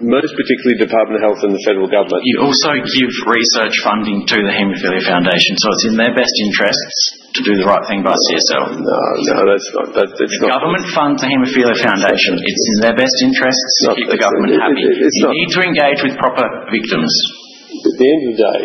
most particularly Department of Health and the federal government.
You also give research funding to the Haemophilia Foundation. So it's in their best interests to do the right thing by CSL.
No, no, that's not.
The government funds the Haemophilia Foundation. It's in their best interests to keep the government happy. You need to engage with proper victims.
At the end of the day,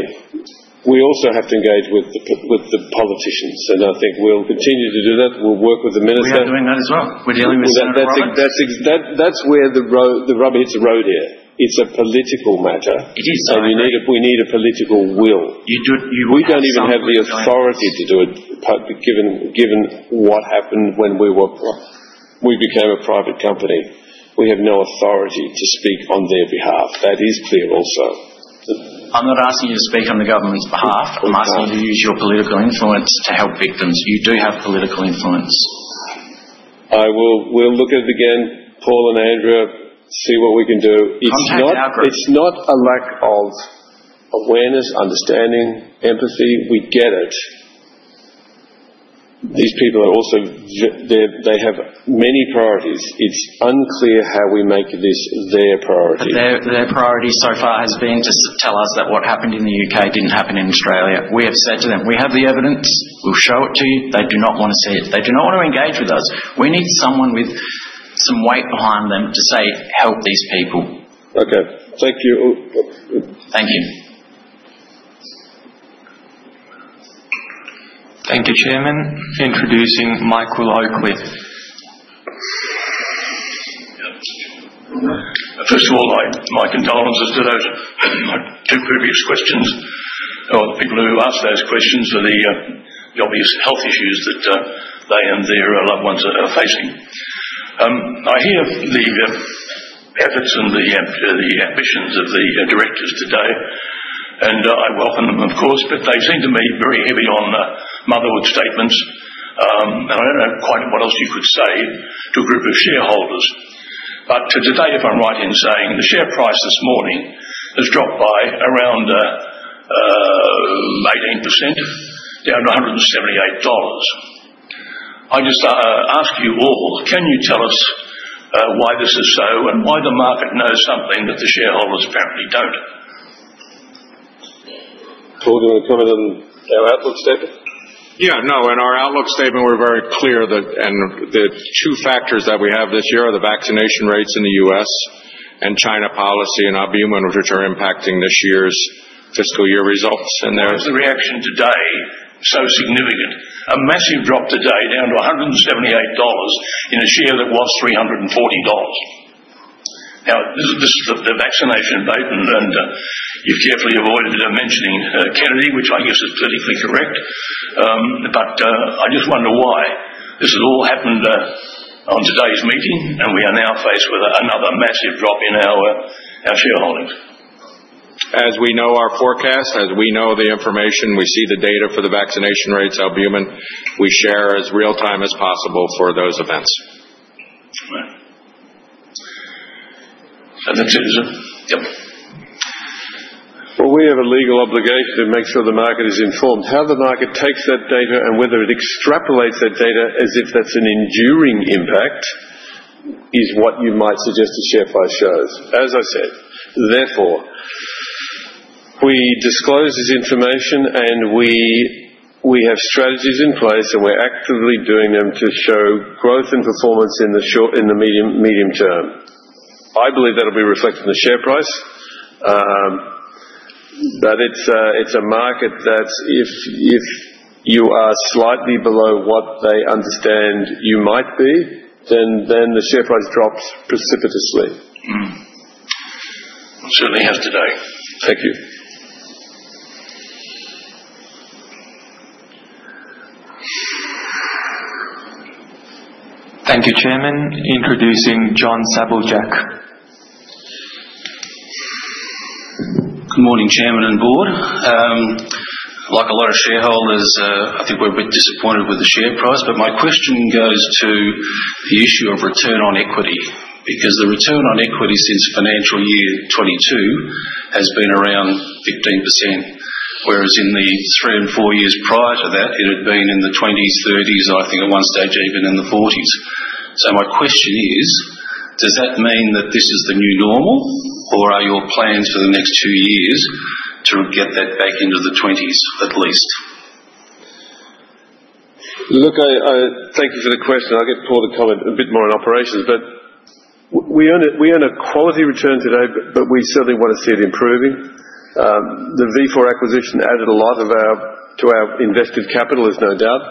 we also have to engage with the politicians. And I think we'll continue to do that. We'll work with the minister.
We are doing that as well. We're dealing with Senator Roberts.
That's where the rubber hits the road here. It's a political matter.
It is, I think.
So we need a political will. We don't even have the authority to do it given what happened when we became a private company. We have no authority to speak on their behalf. That is clear also.
I'm not asking you to speak on the government's behalf. I'm asking you to use your political influence to help victims. You do have political influence.
We'll look at it again, Paul and Andrea, see what we can do. It's not a lack of awareness, understanding, empathy. We get it. These people, they also have many priorities. It's unclear how we make this their priority.
Their priority so far has been to tell us that what happened in the U.K. didn't happen in Australia. We have said to them, "We have the evidence. We'll show it to you." They do not want to see it. They do not want to engage with us. We need someone with some weight behind them to say, "Help these people."
Okay. Thank you.
Thank you.
Thank you, Chairman. Introducing Michael Oakley.
First of all, my condolences to those two previous questioners. The people who asked those questions have obvious health issues that they and their loved ones are facing. I hear the efforts and the ambitions of the directors today. And I welcome them, of course, but they seem to me very heavy on motherhood statements. And I don't know quite what else you could say to a group of shareholders. But today, if I'm right in saying, the share price this morning has dropped by around 18%, down to 178 dollars. I just ask you all, can you tell us why this is so and why the market knows something that the shareholders apparently don't?
Paul, do you want to come in on our outlook statement?
Yeah. No, in our outlook statement, we're very clear that the two factors that we have this year are the vaccination rates in the U.S. and China policy and Albumin, which are impacting this year's fiscal year results.
And there's the reaction today, so significant. A massive drop today, down to 178 dollars in a share that was 340 dollars. Now, this is the vaccination data, and you've carefully avoided mentioning Kennedy, which I guess is politically correct. But I just wonder why. This has all happened on today's meeting, and we are now faced with another massive drop in our shareholdings.
As we know our forecast, as we know the information, we see the data for the vaccination rates, albumin. We share as real-time as possible for those events.
That's it, isn't it?
Yep.
Well, we have a legal obligation to make sure the market is informed. How the market takes that data and whether it extrapolates that data as if that's an enduring impact is what you might suggest the share price shows. As I said, therefore, we disclose this information, and we have strategies in place, and we're actively doing them to show growth and performance in the medium term. I believe that'll be reflected in the share price, that it's a market that if you are slightly below what they understand you might be, then the share price drops precipitously.
Certainly has today.
Thank you.
Thank you, Chairman. Introducing John Saviljack.
Good morning, Chairman and Board. Like a lot of shareholders, I think we're a bit disappointed with the share price. But my question goes to the issue of return on equity because the return on equity since financial year 2022 has been around 15%, whereas in the three and four years prior to that, it had been in the 20s, 30s, I think at one stage even in the 40s. So my question is, does that mean that this is the new normal, or are your plans for the next two years to get that back into the 20s at least?
Look, thank you for the question. I'll get Paul to comment a bit more on operations, but we earn a quality return today, but we certainly want to see it improving. The Vifor acquisition added a lot to our invested capital, there's no doubt.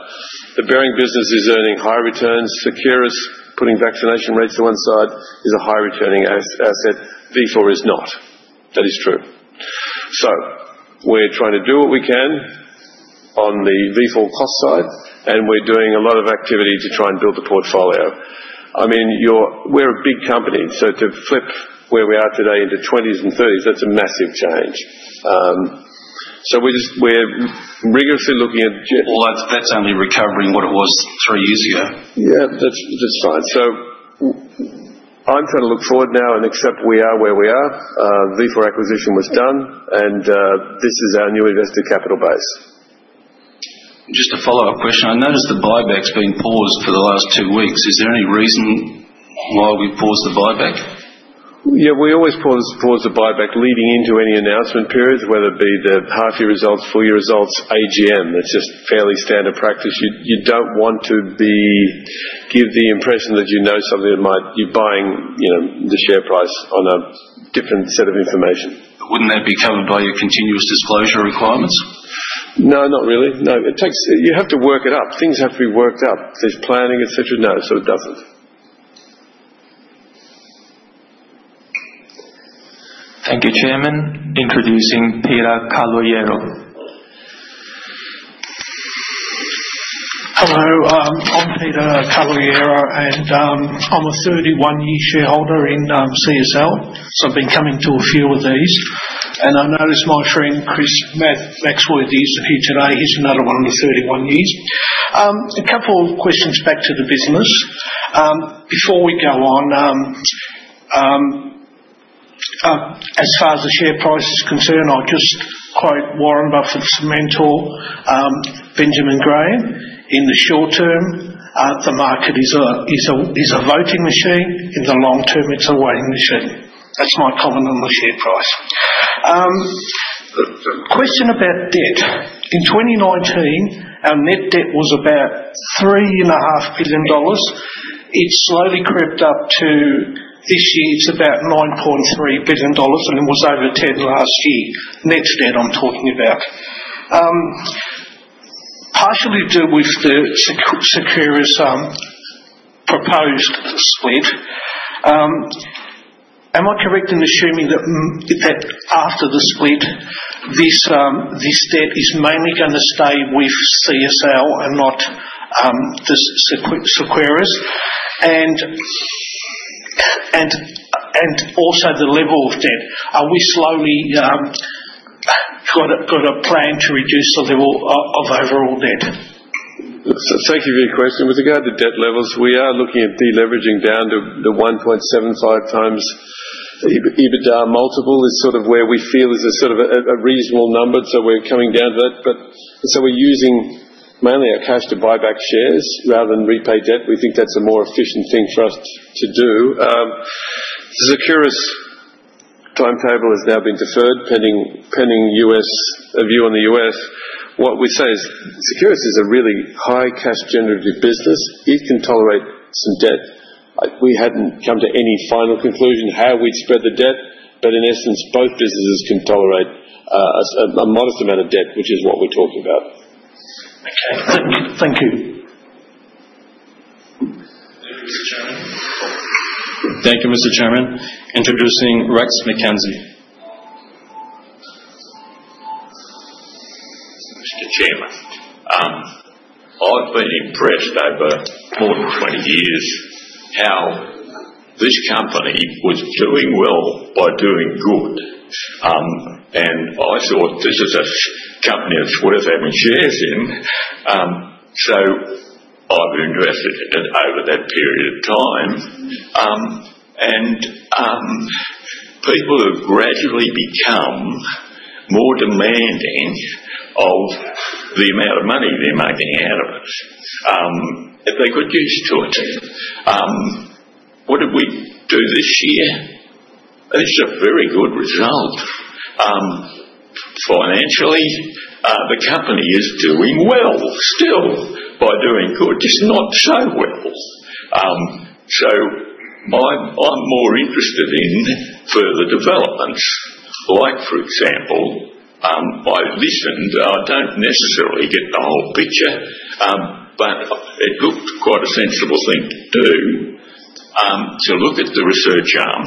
The Behring business is earning high returns. Seqirus, putting vaccination rates to one side, is a high-returning asset. Vifor is not. That is true, so we're trying to do what we can on the Vifor cost side, and we're doing a lot of activity to try and build the portfolio. I mean, we're a big company, so to flip where we are today into 20s and 30s, that's a massive change. So we're rigorously looking at that. That's only recovering what it was three years ago. Yeah, that's fine. So I'm trying to look forward now and accept we are where we are. Vifor acquisition was done, and this is our new invested capital base.
Just a follow-up question. I noticed the buyback's been paused for the last two weeks. Is there any reason why we paused the buyback?
Yeah, we always pause the buyback leading into any announcement periods, whether it be the half-year results, full-year results, AGM. It's just fairly standard practice. You don't want to give the impression that you know something that might you're buying the share price on a different set of information.
Wouldn't that be covered by your continuous disclosure requirements?
No, not really. No. You have to work it up. Things have to be worked up. There's planning, etc. No, so it doesn't.
Thank you, Chairman. Introducing Peter Calogero.
Hello. I'm Peter Caloyero, and I'm a 31-year shareholder in CSL. So I've been coming to a few of these. And I noticed my friend Chris Maxwell is here today. He's another one of the 31 years. A couple of questions back to the business. Before we go on, as far as the share price is concerned, I'll just quote Warren Buffett's mentor, Benjamin Graham, "In the short term, the market is a voting machine. In the long term, it's a weighing machine." That's my comment on the share price. Question about debt. In 2019, our net debt was about 3.5 billion dollars. It slowly crept up to this year's about 9.3 billion dollars, and it was over 10 last year. Net debt I'm talking about. Partially due with the Seqirus proposed split. Am I correct in assuming that after the split, this debt is mainly going to stay with CSL and not Seqirus? And also the level of debt. Are we slowly got a plan to reduce the level of overall debt?
Thank you for your question. With regard to debt levels, we are looking at deleveraging down to the 1.75 times EBITDA multiple, is sort of where we feel is a sort of a reasonable number, so we're coming down to that, so we're using mainly our cash to buy back shares rather than repay debt. We think that's a more efficient thing for us to do. Seqirus timetable has now been deferred pending a view on the U.S. What we say is Seqirus is a really high cash generative business. It can tolerate some debt. We hadn't come to any final conclusion how we'd spread the debt, but in essence, both businesses can tolerate a modest amount of debt, which is what we're talking about.
Thank you, Mr. Chairman. Introducing Rex McKenzie.
Mr. Chairman, I've been impressed over more than 20 years how this company was doing well by doing good, and I thought, "This is a company that's worth having shares in," so I've invested over that period of time, and people have gradually become more demanding of the amount of money they're making out of it. They've got used to it. What did we do this year? It's a very good result. Financially, the company is doing well still by doing good, just not so well, so I'm more interested in further developments, like, for example, I listened. I don't necessarily get the whole picture, but it looked quite a sensible thing to do to look at the research arm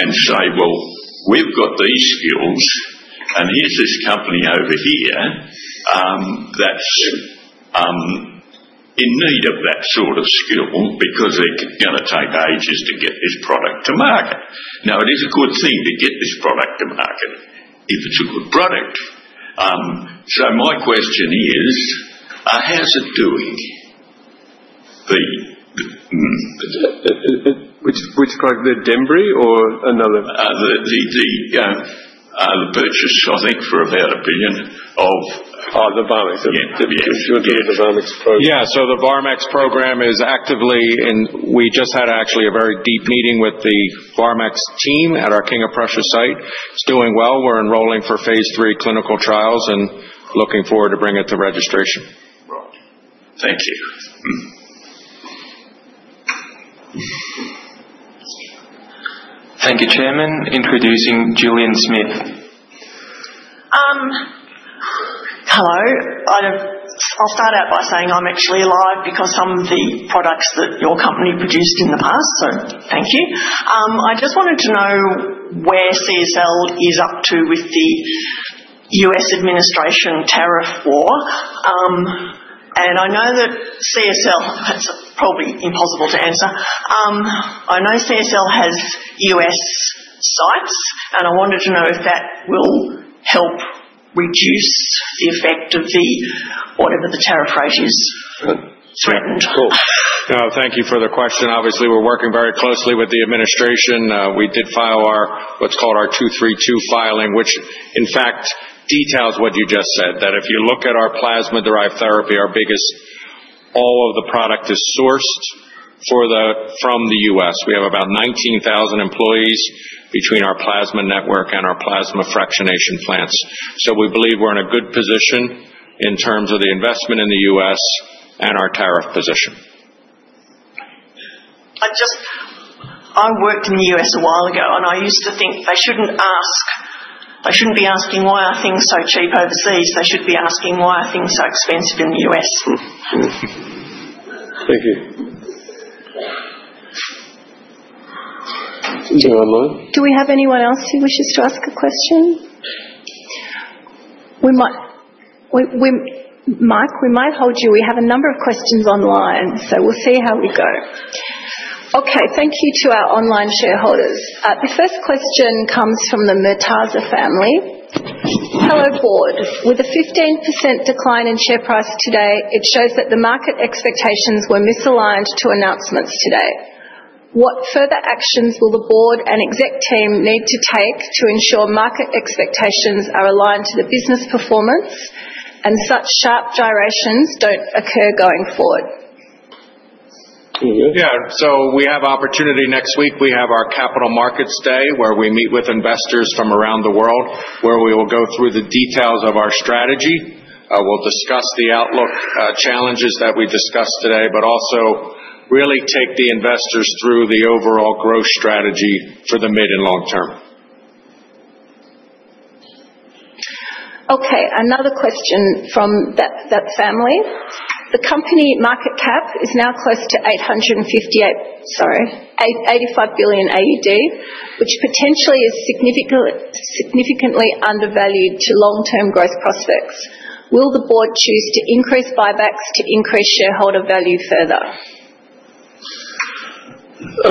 and say, "Well, we've got these skills, and here's this company over here that's in need of that sort of skill because it's going to take ages to get this product to market." Now, it is a good thing to get this product to market if it's a good product. So my question is, how's it doing?
Which program? The Andembry or another?
The purchase, I think, for about a billion of.
Oh, the VarmX? Yeah.
Yeah.
So the VarmX program is actively in we just had actually a very deep meeting with the VarmX team at our King of Prussia site. It's doing well. We're enrolling for phase III clinical trials and looking forward to bringing it to registration.
Thank you.
Thank you, Chairman. Introducing Julian Smith.
Hello. I'll start out by saying I'm actually alive because some of the products that your company produced in the past, so thank you. I just wanted to know where CSL is up to with the U.S. Administration tariff war. And I know that, CSL, that's probably impossible to answer. I know CSL has U.S. sites, and I wanted to know if that will help reduce the effect of whatever the tariff rate is threatened.
Cool. No, thank you for the question. Obviously, we're working very closely with the administration. We did file what's called our 232 filing, which in fact details what you just said, that if you look at our plasma-derived therapy, all of the product is sourced from the U.S. We have about 19,000 employees between our plasma network and our plasma fractionation plants. We believe we're in a good position in terms of the investment in the U.S. and our tariff position.
I worked in the U.S. a while ago, and I used to think they shouldn't be asking, "Why are things so cheap overseas?" They should be asking, "Why are things so expensive in the U.S.?"
Thank you.
Do we have anyone else who wishes to ask a question? Mike, we might hold you. We have a number of questions online, so we'll see how we go. Okay. Thank you to our online shareholders. The first question comes from the Murtaza family. Hello, Board. With a 15% decline in share price today, it shows that the market expectations were misaligned to announcements today. What further actions will the board and exec team need to take to ensure market expectations are aligned to the business performance and such sharp gyrations don't occur going forward?
Yeah. So we have opportunity next week. We have our Capital Markets Day where we meet with investors from around the world, where we will go through the details of our strategy. We'll discuss the outlook challenges that we discussed today, but also really take the investors through the overall growth strategy for the mid and long term.
Okay. Another question from that family. The company market cap is now close to 858, sorry, 85 billion AUD, which potentially is significantly undervalued to long-term growth prospects. Will the board choose to increase buybacks to increase shareholder value further?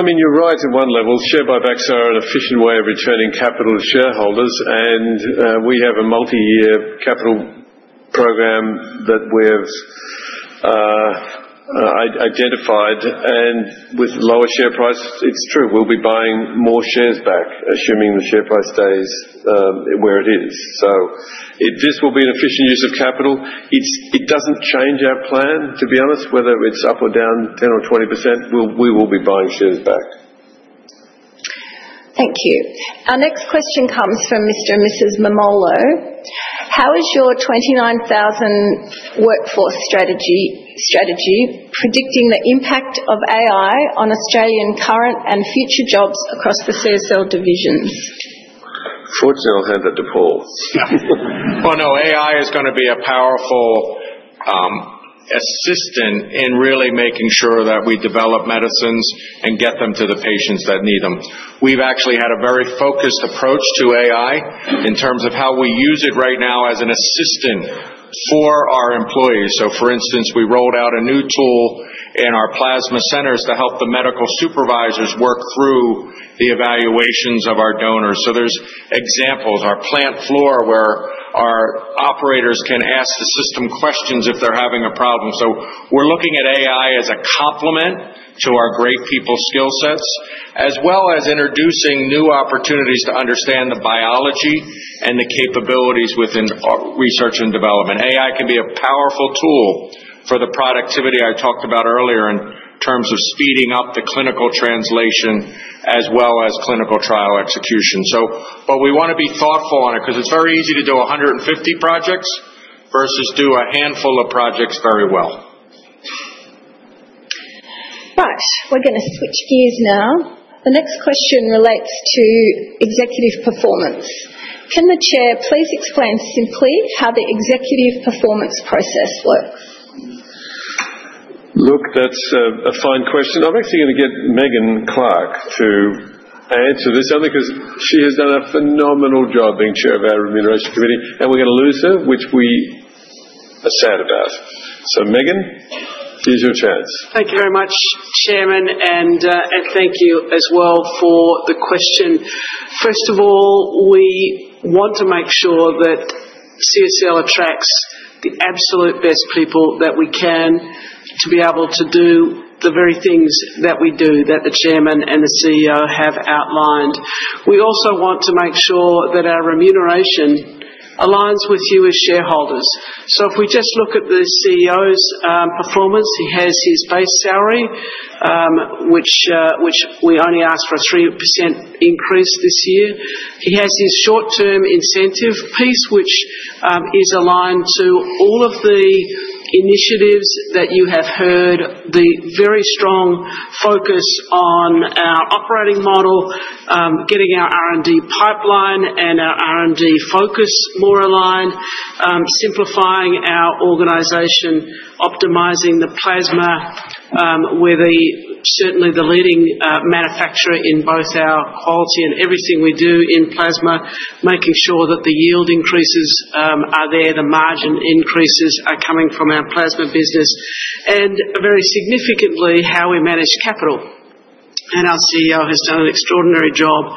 I mean, you're right at one level. Share buybacks are an efficient way of returning capital to shareholders. We have a multi-year capital program that we have identified. With lower share prices, it's true. We'll be buying more shares back, assuming the share price stays where it is. This will be an efficient use of capital. It doesn't change our plan, to be honest. Whether it's up or down 10% or 20%, we will be buying shares back.
Thank you. Our next question comes from Mr. and Mrs. Mammolo.] How is your 29,000 workforce strategy predicting the impact of AI on Australian current and future jobs across the CSL divisions?
Fortunately, I'll hand that to Paul.
Well, no, AI is going to be a powerful assistant in really making sure that we develop medicines and get them to the patients that need them. We've actually had a very focused approach to AI in terms of how we use it right now as an assistant for our employees. So, for instance, we rolled out a new tool in our plasma centers to help the medical supervisors work through the evaluations of our donors. So there's examples. Our plant floor where our operators can ask the system questions if they're having a problem. So we're looking at AI as a complement to our great people skill sets, as well as introducing new opportunities to understand the biology and the capabilities within research and development. AI can be a powerful tool for the productivity I talked about earlier in terms of speeding up the clinical translation as well as clinical trial execution. But we want to be thoughtful on it because it's very easy to do 150 projects versus do a handful of projects very well.
Right. We're going to switch gears now. The next question relates to executive performance. Can the Chair please explain simply how the executive performance process works?
Look, that's a fine question. I'm actually going to get Megan Clark to answer this only because she has done a phenomenal job being chair of our remuneration committee, and we're going to lose her, which we are sad about. So, Megan, here's your chance.
Thank you very much, Chairman, and thank you as well for the question. First of all, we want to make sure that CSL attracts the absolute best people that we can to be able to do the very things that we do that the chairman and the CEO have outlined. We also want to make sure that our remuneration aligns with you as shareholders. So if we just look at the CEO's performance, he has his base salary, which we only asked for a 3% increase this year. He has his short-term incentive piece, which is aligned to all of the initiatives that you have heard, the very strong focus on our operating model, getting our R&D pipeline and our R&D focus more aligned, simplifying our organization, optimizing the plasma. We're certainly the leading manufacturer in both our quality and everything we do in plasma, making sure that the yield increases are there, the margin increases are coming from our plasma business, and very significantly, how we manage capital. And our CEO has done an extraordinary job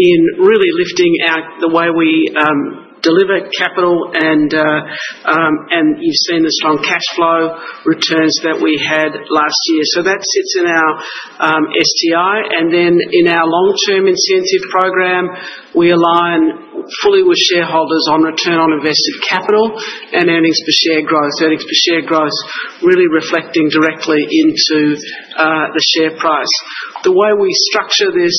in really lifting the way we deliver capital, and you've seen the strong cash flow returns that we had last year. So that sits in our STI. And then in our long-term incentive program, we align fully with shareholders on return on invested capital and earnings per share growth. Earnings per share growth really reflecting directly into the share price. The way we structure this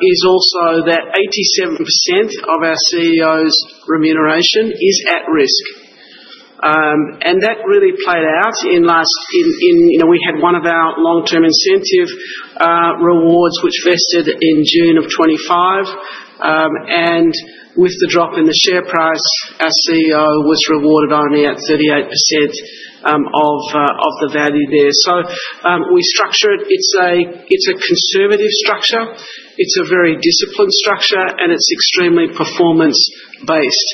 is also that 87% of our CEO's remuneration is at risk. And that really played out in last we had one of our long-term incentive rewards, which vested in June of 2025. And with the drop in the share price, our CEO was rewarded only at 38% of the value there. So we structure it. It's a conservative structure. It's a very disciplined structure, and it's extremely performance-based.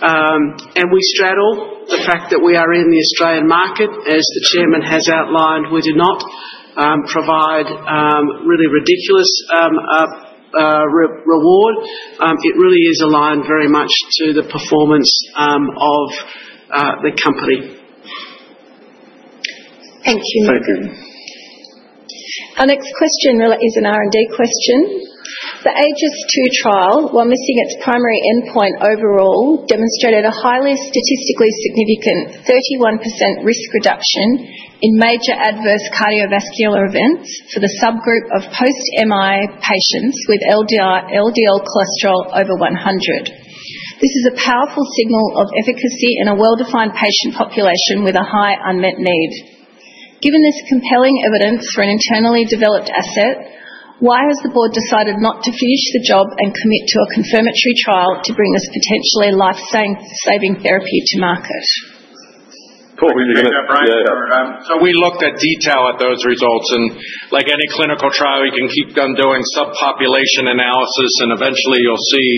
And we straddle the fact that we are in the Australian market. As the chairman has outlined, we do not provide really ridiculous reward. It really is aligned very much to the performance of the company.
Thank you.
Thank you.
Our next question is an R&D question. The AEGIS-II trial, while missing its primary endpoint overall, demonstrated a highly statistically significant 31% risk reduction in major adverse cardiovascular events for the subgroup of post-MI patients with LDL cholesterol over 100. This is a powerful signal of efficacy in a well-defined patient population with a high unmet need. Given this compelling evidence for an internally developed asset, why has the board decided not to finish the job and commit to a confirmatory trial to bring this potentially life-saving therapy to market?
Cool.
You're going to answer, so we looked in detail at those results, and like any clinical trial, you can keep on doing subpopulation analysis, and eventually, you'll see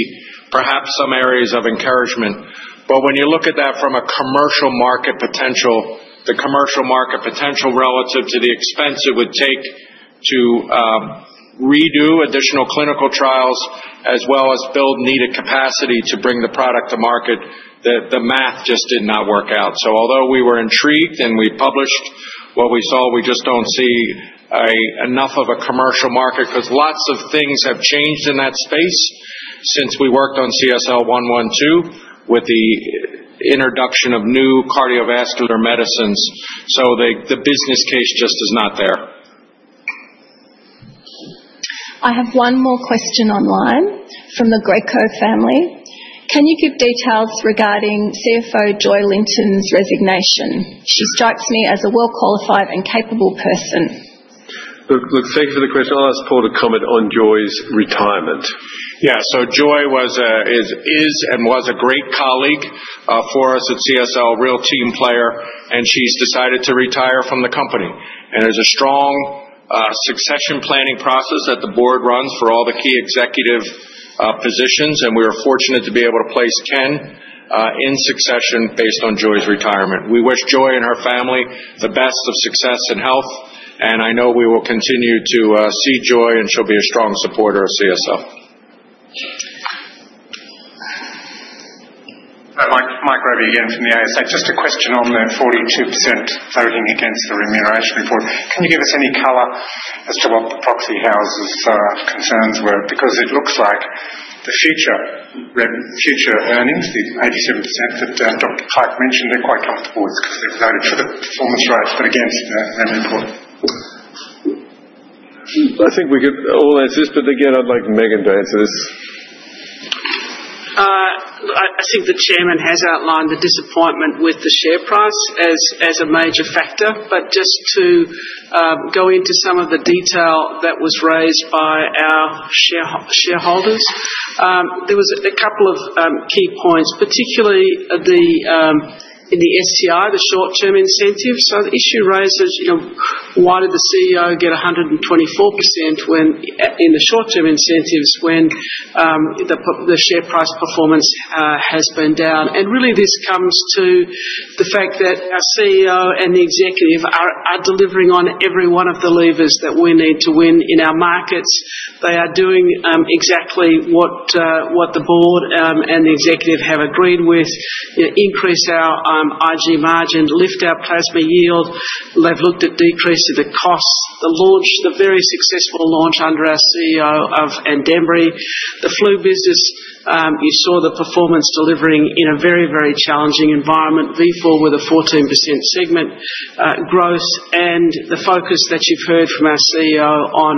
perhaps some areas of encouragement. But when you look at that from a commercial market potential, the commercial market potential relative to the expense it would take to redo additional clinical trials as well as build needed capacity to bring the product to market, the math just did not work out. So although we were intrigued and we published what we saw, we just don't see enough of a commercial market because lots of things have changed in that space since we worked on CSL 112 with the introduction of new cardiovascular medicines. So the business case just is not there.
I have one more question online from the Greco family. Can you give details regarding CFO Joy Linton's resignation? She strikes me as a well-qualified and capable person.
Look, thank you for the question. I'll ask Paul to comment on Joy's retirement.
Yeah. So Joy is and was a great colleague for us at CSL, a real team player, and she's decided to retire from the company. And there's a strong succession planning process that the board runs for all the key executive positions, and we are fortunate to be able to place Ken in succession based on Joy's retirement. We wish Joy and her family the best of success and health, and I know we will continue to see Joy, and she'll be a strong supporter of CSL.
Mike Robey again from the ASA. Just a question on the 42% voting against the Remuneration Report. Can you give us any color as to what the proxy house's concerns were? Because it looks like the future earnings, the 87% that Dr. Clark mentioned, they're quite comfortable with because they've voted for the performance rate, but against the report.
I think we could all answer this, but again, I'd like Megan to answer this.
I think the Chairman has outlined the disappointment with the share price as a major factor, but just to go into some of the detail that was raised by our shareholders, there were a couple of key points, particularly in the STI, the short-term incentives, so the issue raised is, why did the CEO get 124% in the short-term incentives when the share price performance has been down and really, this comes to the fact that our CEO and the executive are delivering on every one of the levers that we need to win in our markets. They are doing exactly what the board and the executive have agreed with: increase our IG margin, lift our plasma yield. They've looked at decreasing the costs, the very successful launch under our CEO of Andembry. The flu business, you saw the performance delivering in a very, very challenging environment, Vifor with a 14% segment growth, and the focus that you've heard from our CEO on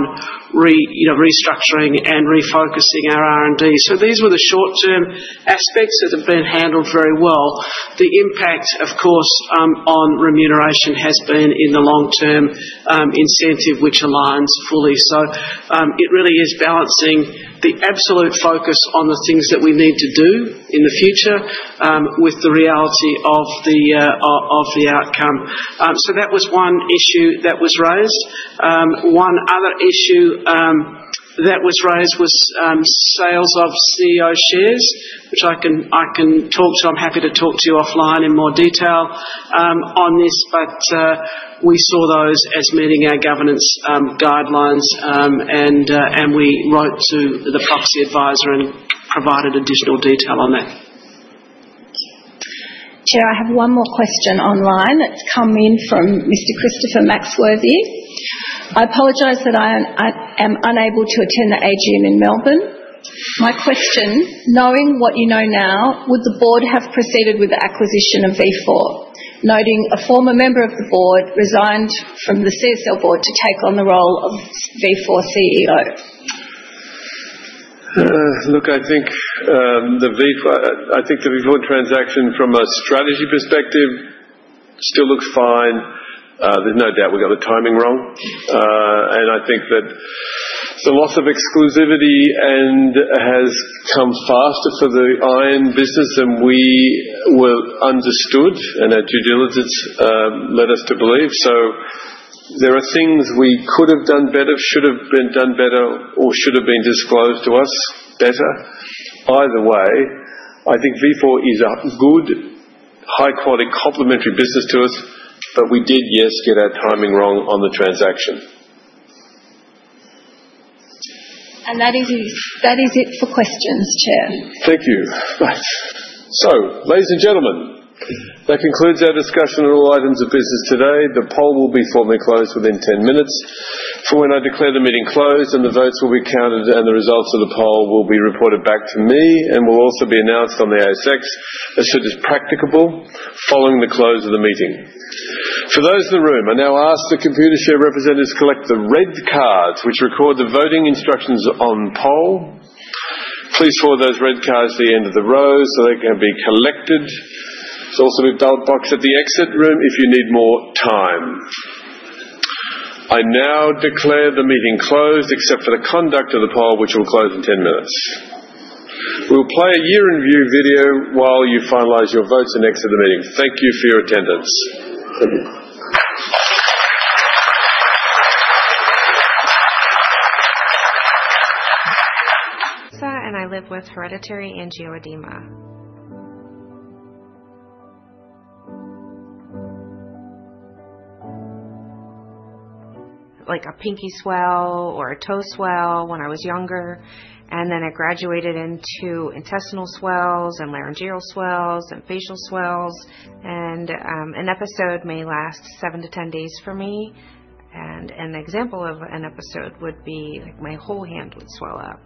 restructuring and refocusing our R&D, so these were the short-term aspects that have been handled very well. The impact, of course, on remuneration has been in the long-term incentive, which aligns fully, so it really is balancing the absolute focus on the things that we need to do in the future with the reality of the outcome, so that was one issue that was raised. One other issue that was raised was sales of CEO shares, which I can talk to. I'm happy to talk to you offline in more detail on this, but we saw those as meeting our governance guidelines, and we wrote to the proxy advisor and provided additional detail on that.
Chair, I have one more question online that's come in from Mr. Christopher Maxworthy. I apologize that I am unable to attend the AGM in Melbourne. My question: Knowing what you know now, would the board have proceeded with the acquisition of Vifor, noting a former member of the board resigned from the CSL board to take on the role of Vifor CEO?
Look, I think the Vifor transaction from a strategy perspective still looks fine. There's no doubt we got the timing wrong. And I think that the loss of exclusivity has come faster for the iron business than we were understood, and our due diligence led us to believe. So there are things we could have done better, should have been done better, or should have been disclosed to us better. Either way, I think Vifor is a good, high-quality complementary business to us, but we did, yes, get our timing wrong on the transaction.
And that is it for questions, Chair.
Thank you, so ladies and gentlemen, that concludes our discussion on all items of business today. The poll will be formally closed within 10 minutes. For when I declare the meeting closed, the votes will be counted, and the results of the poll will be reported back to me and will also be announced on the ASX as soon as practicable following the close of the meeting. For those in the room, I now ask the Computershare representatives to collect the red cards which record the voting instructions on poll. Please hold those red cards to the end of the row so they can be collected. There's also a ballot box at the exit door if you need more time. I now declare the meeting closed except for the conduct of the poll, which will close in 10 minutes. We'll play a year-in-review video while you finalize your votes and exit the meeting. Thank you for your attendance.
And I live with hereditary angioedema. Like a pinky swell or a toe swell when I was younger, and then it graduated into intestinal swells and laryngeal swells and facial swells. And an example of an episode would be my whole hand would swell up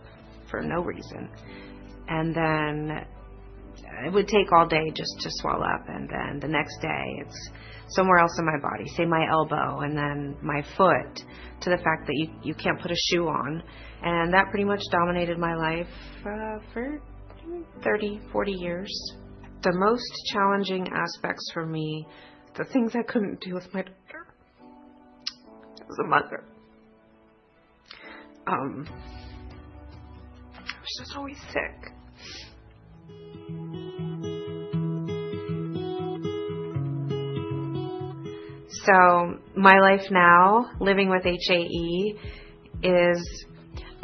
for no reason. And then it would take all day just to swell up, and then the next day it's somewhere else in my body, say my elbow, and then my foot to the fact that you can't put a shoe on. That pretty much dominated my life for 30-40 years. The most challenging aspects for me, the things I couldn't do with my daughter, it was a mother. I was just always sick. So my life now, living with HAE, is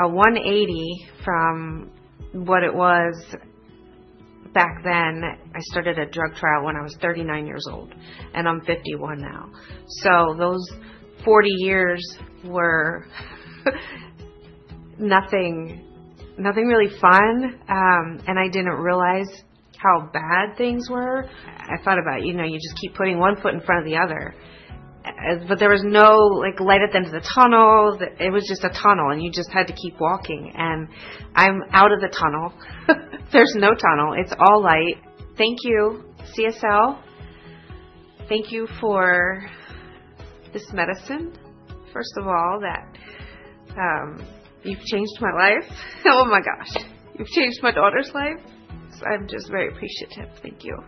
a 180 from what it was back then. I started a drug trial when I was 39 years old, and I'm 51 now. So those 40 years were nothing really fun, and I didn't realize how bad things were. I thought about it. You just keep putting one foot in front of the other. But there was no light at the end of the tunnel. It was just a tunnel, and you just had to keep walking. And I'm out of the tunnel. There's no tunnel. It's all light. Thank you, CSL. Thank you for this medicine, first of all, that you've changed my life. Oh my gosh. You've changed my daughter's life. I'm just very appreciative. Thank you.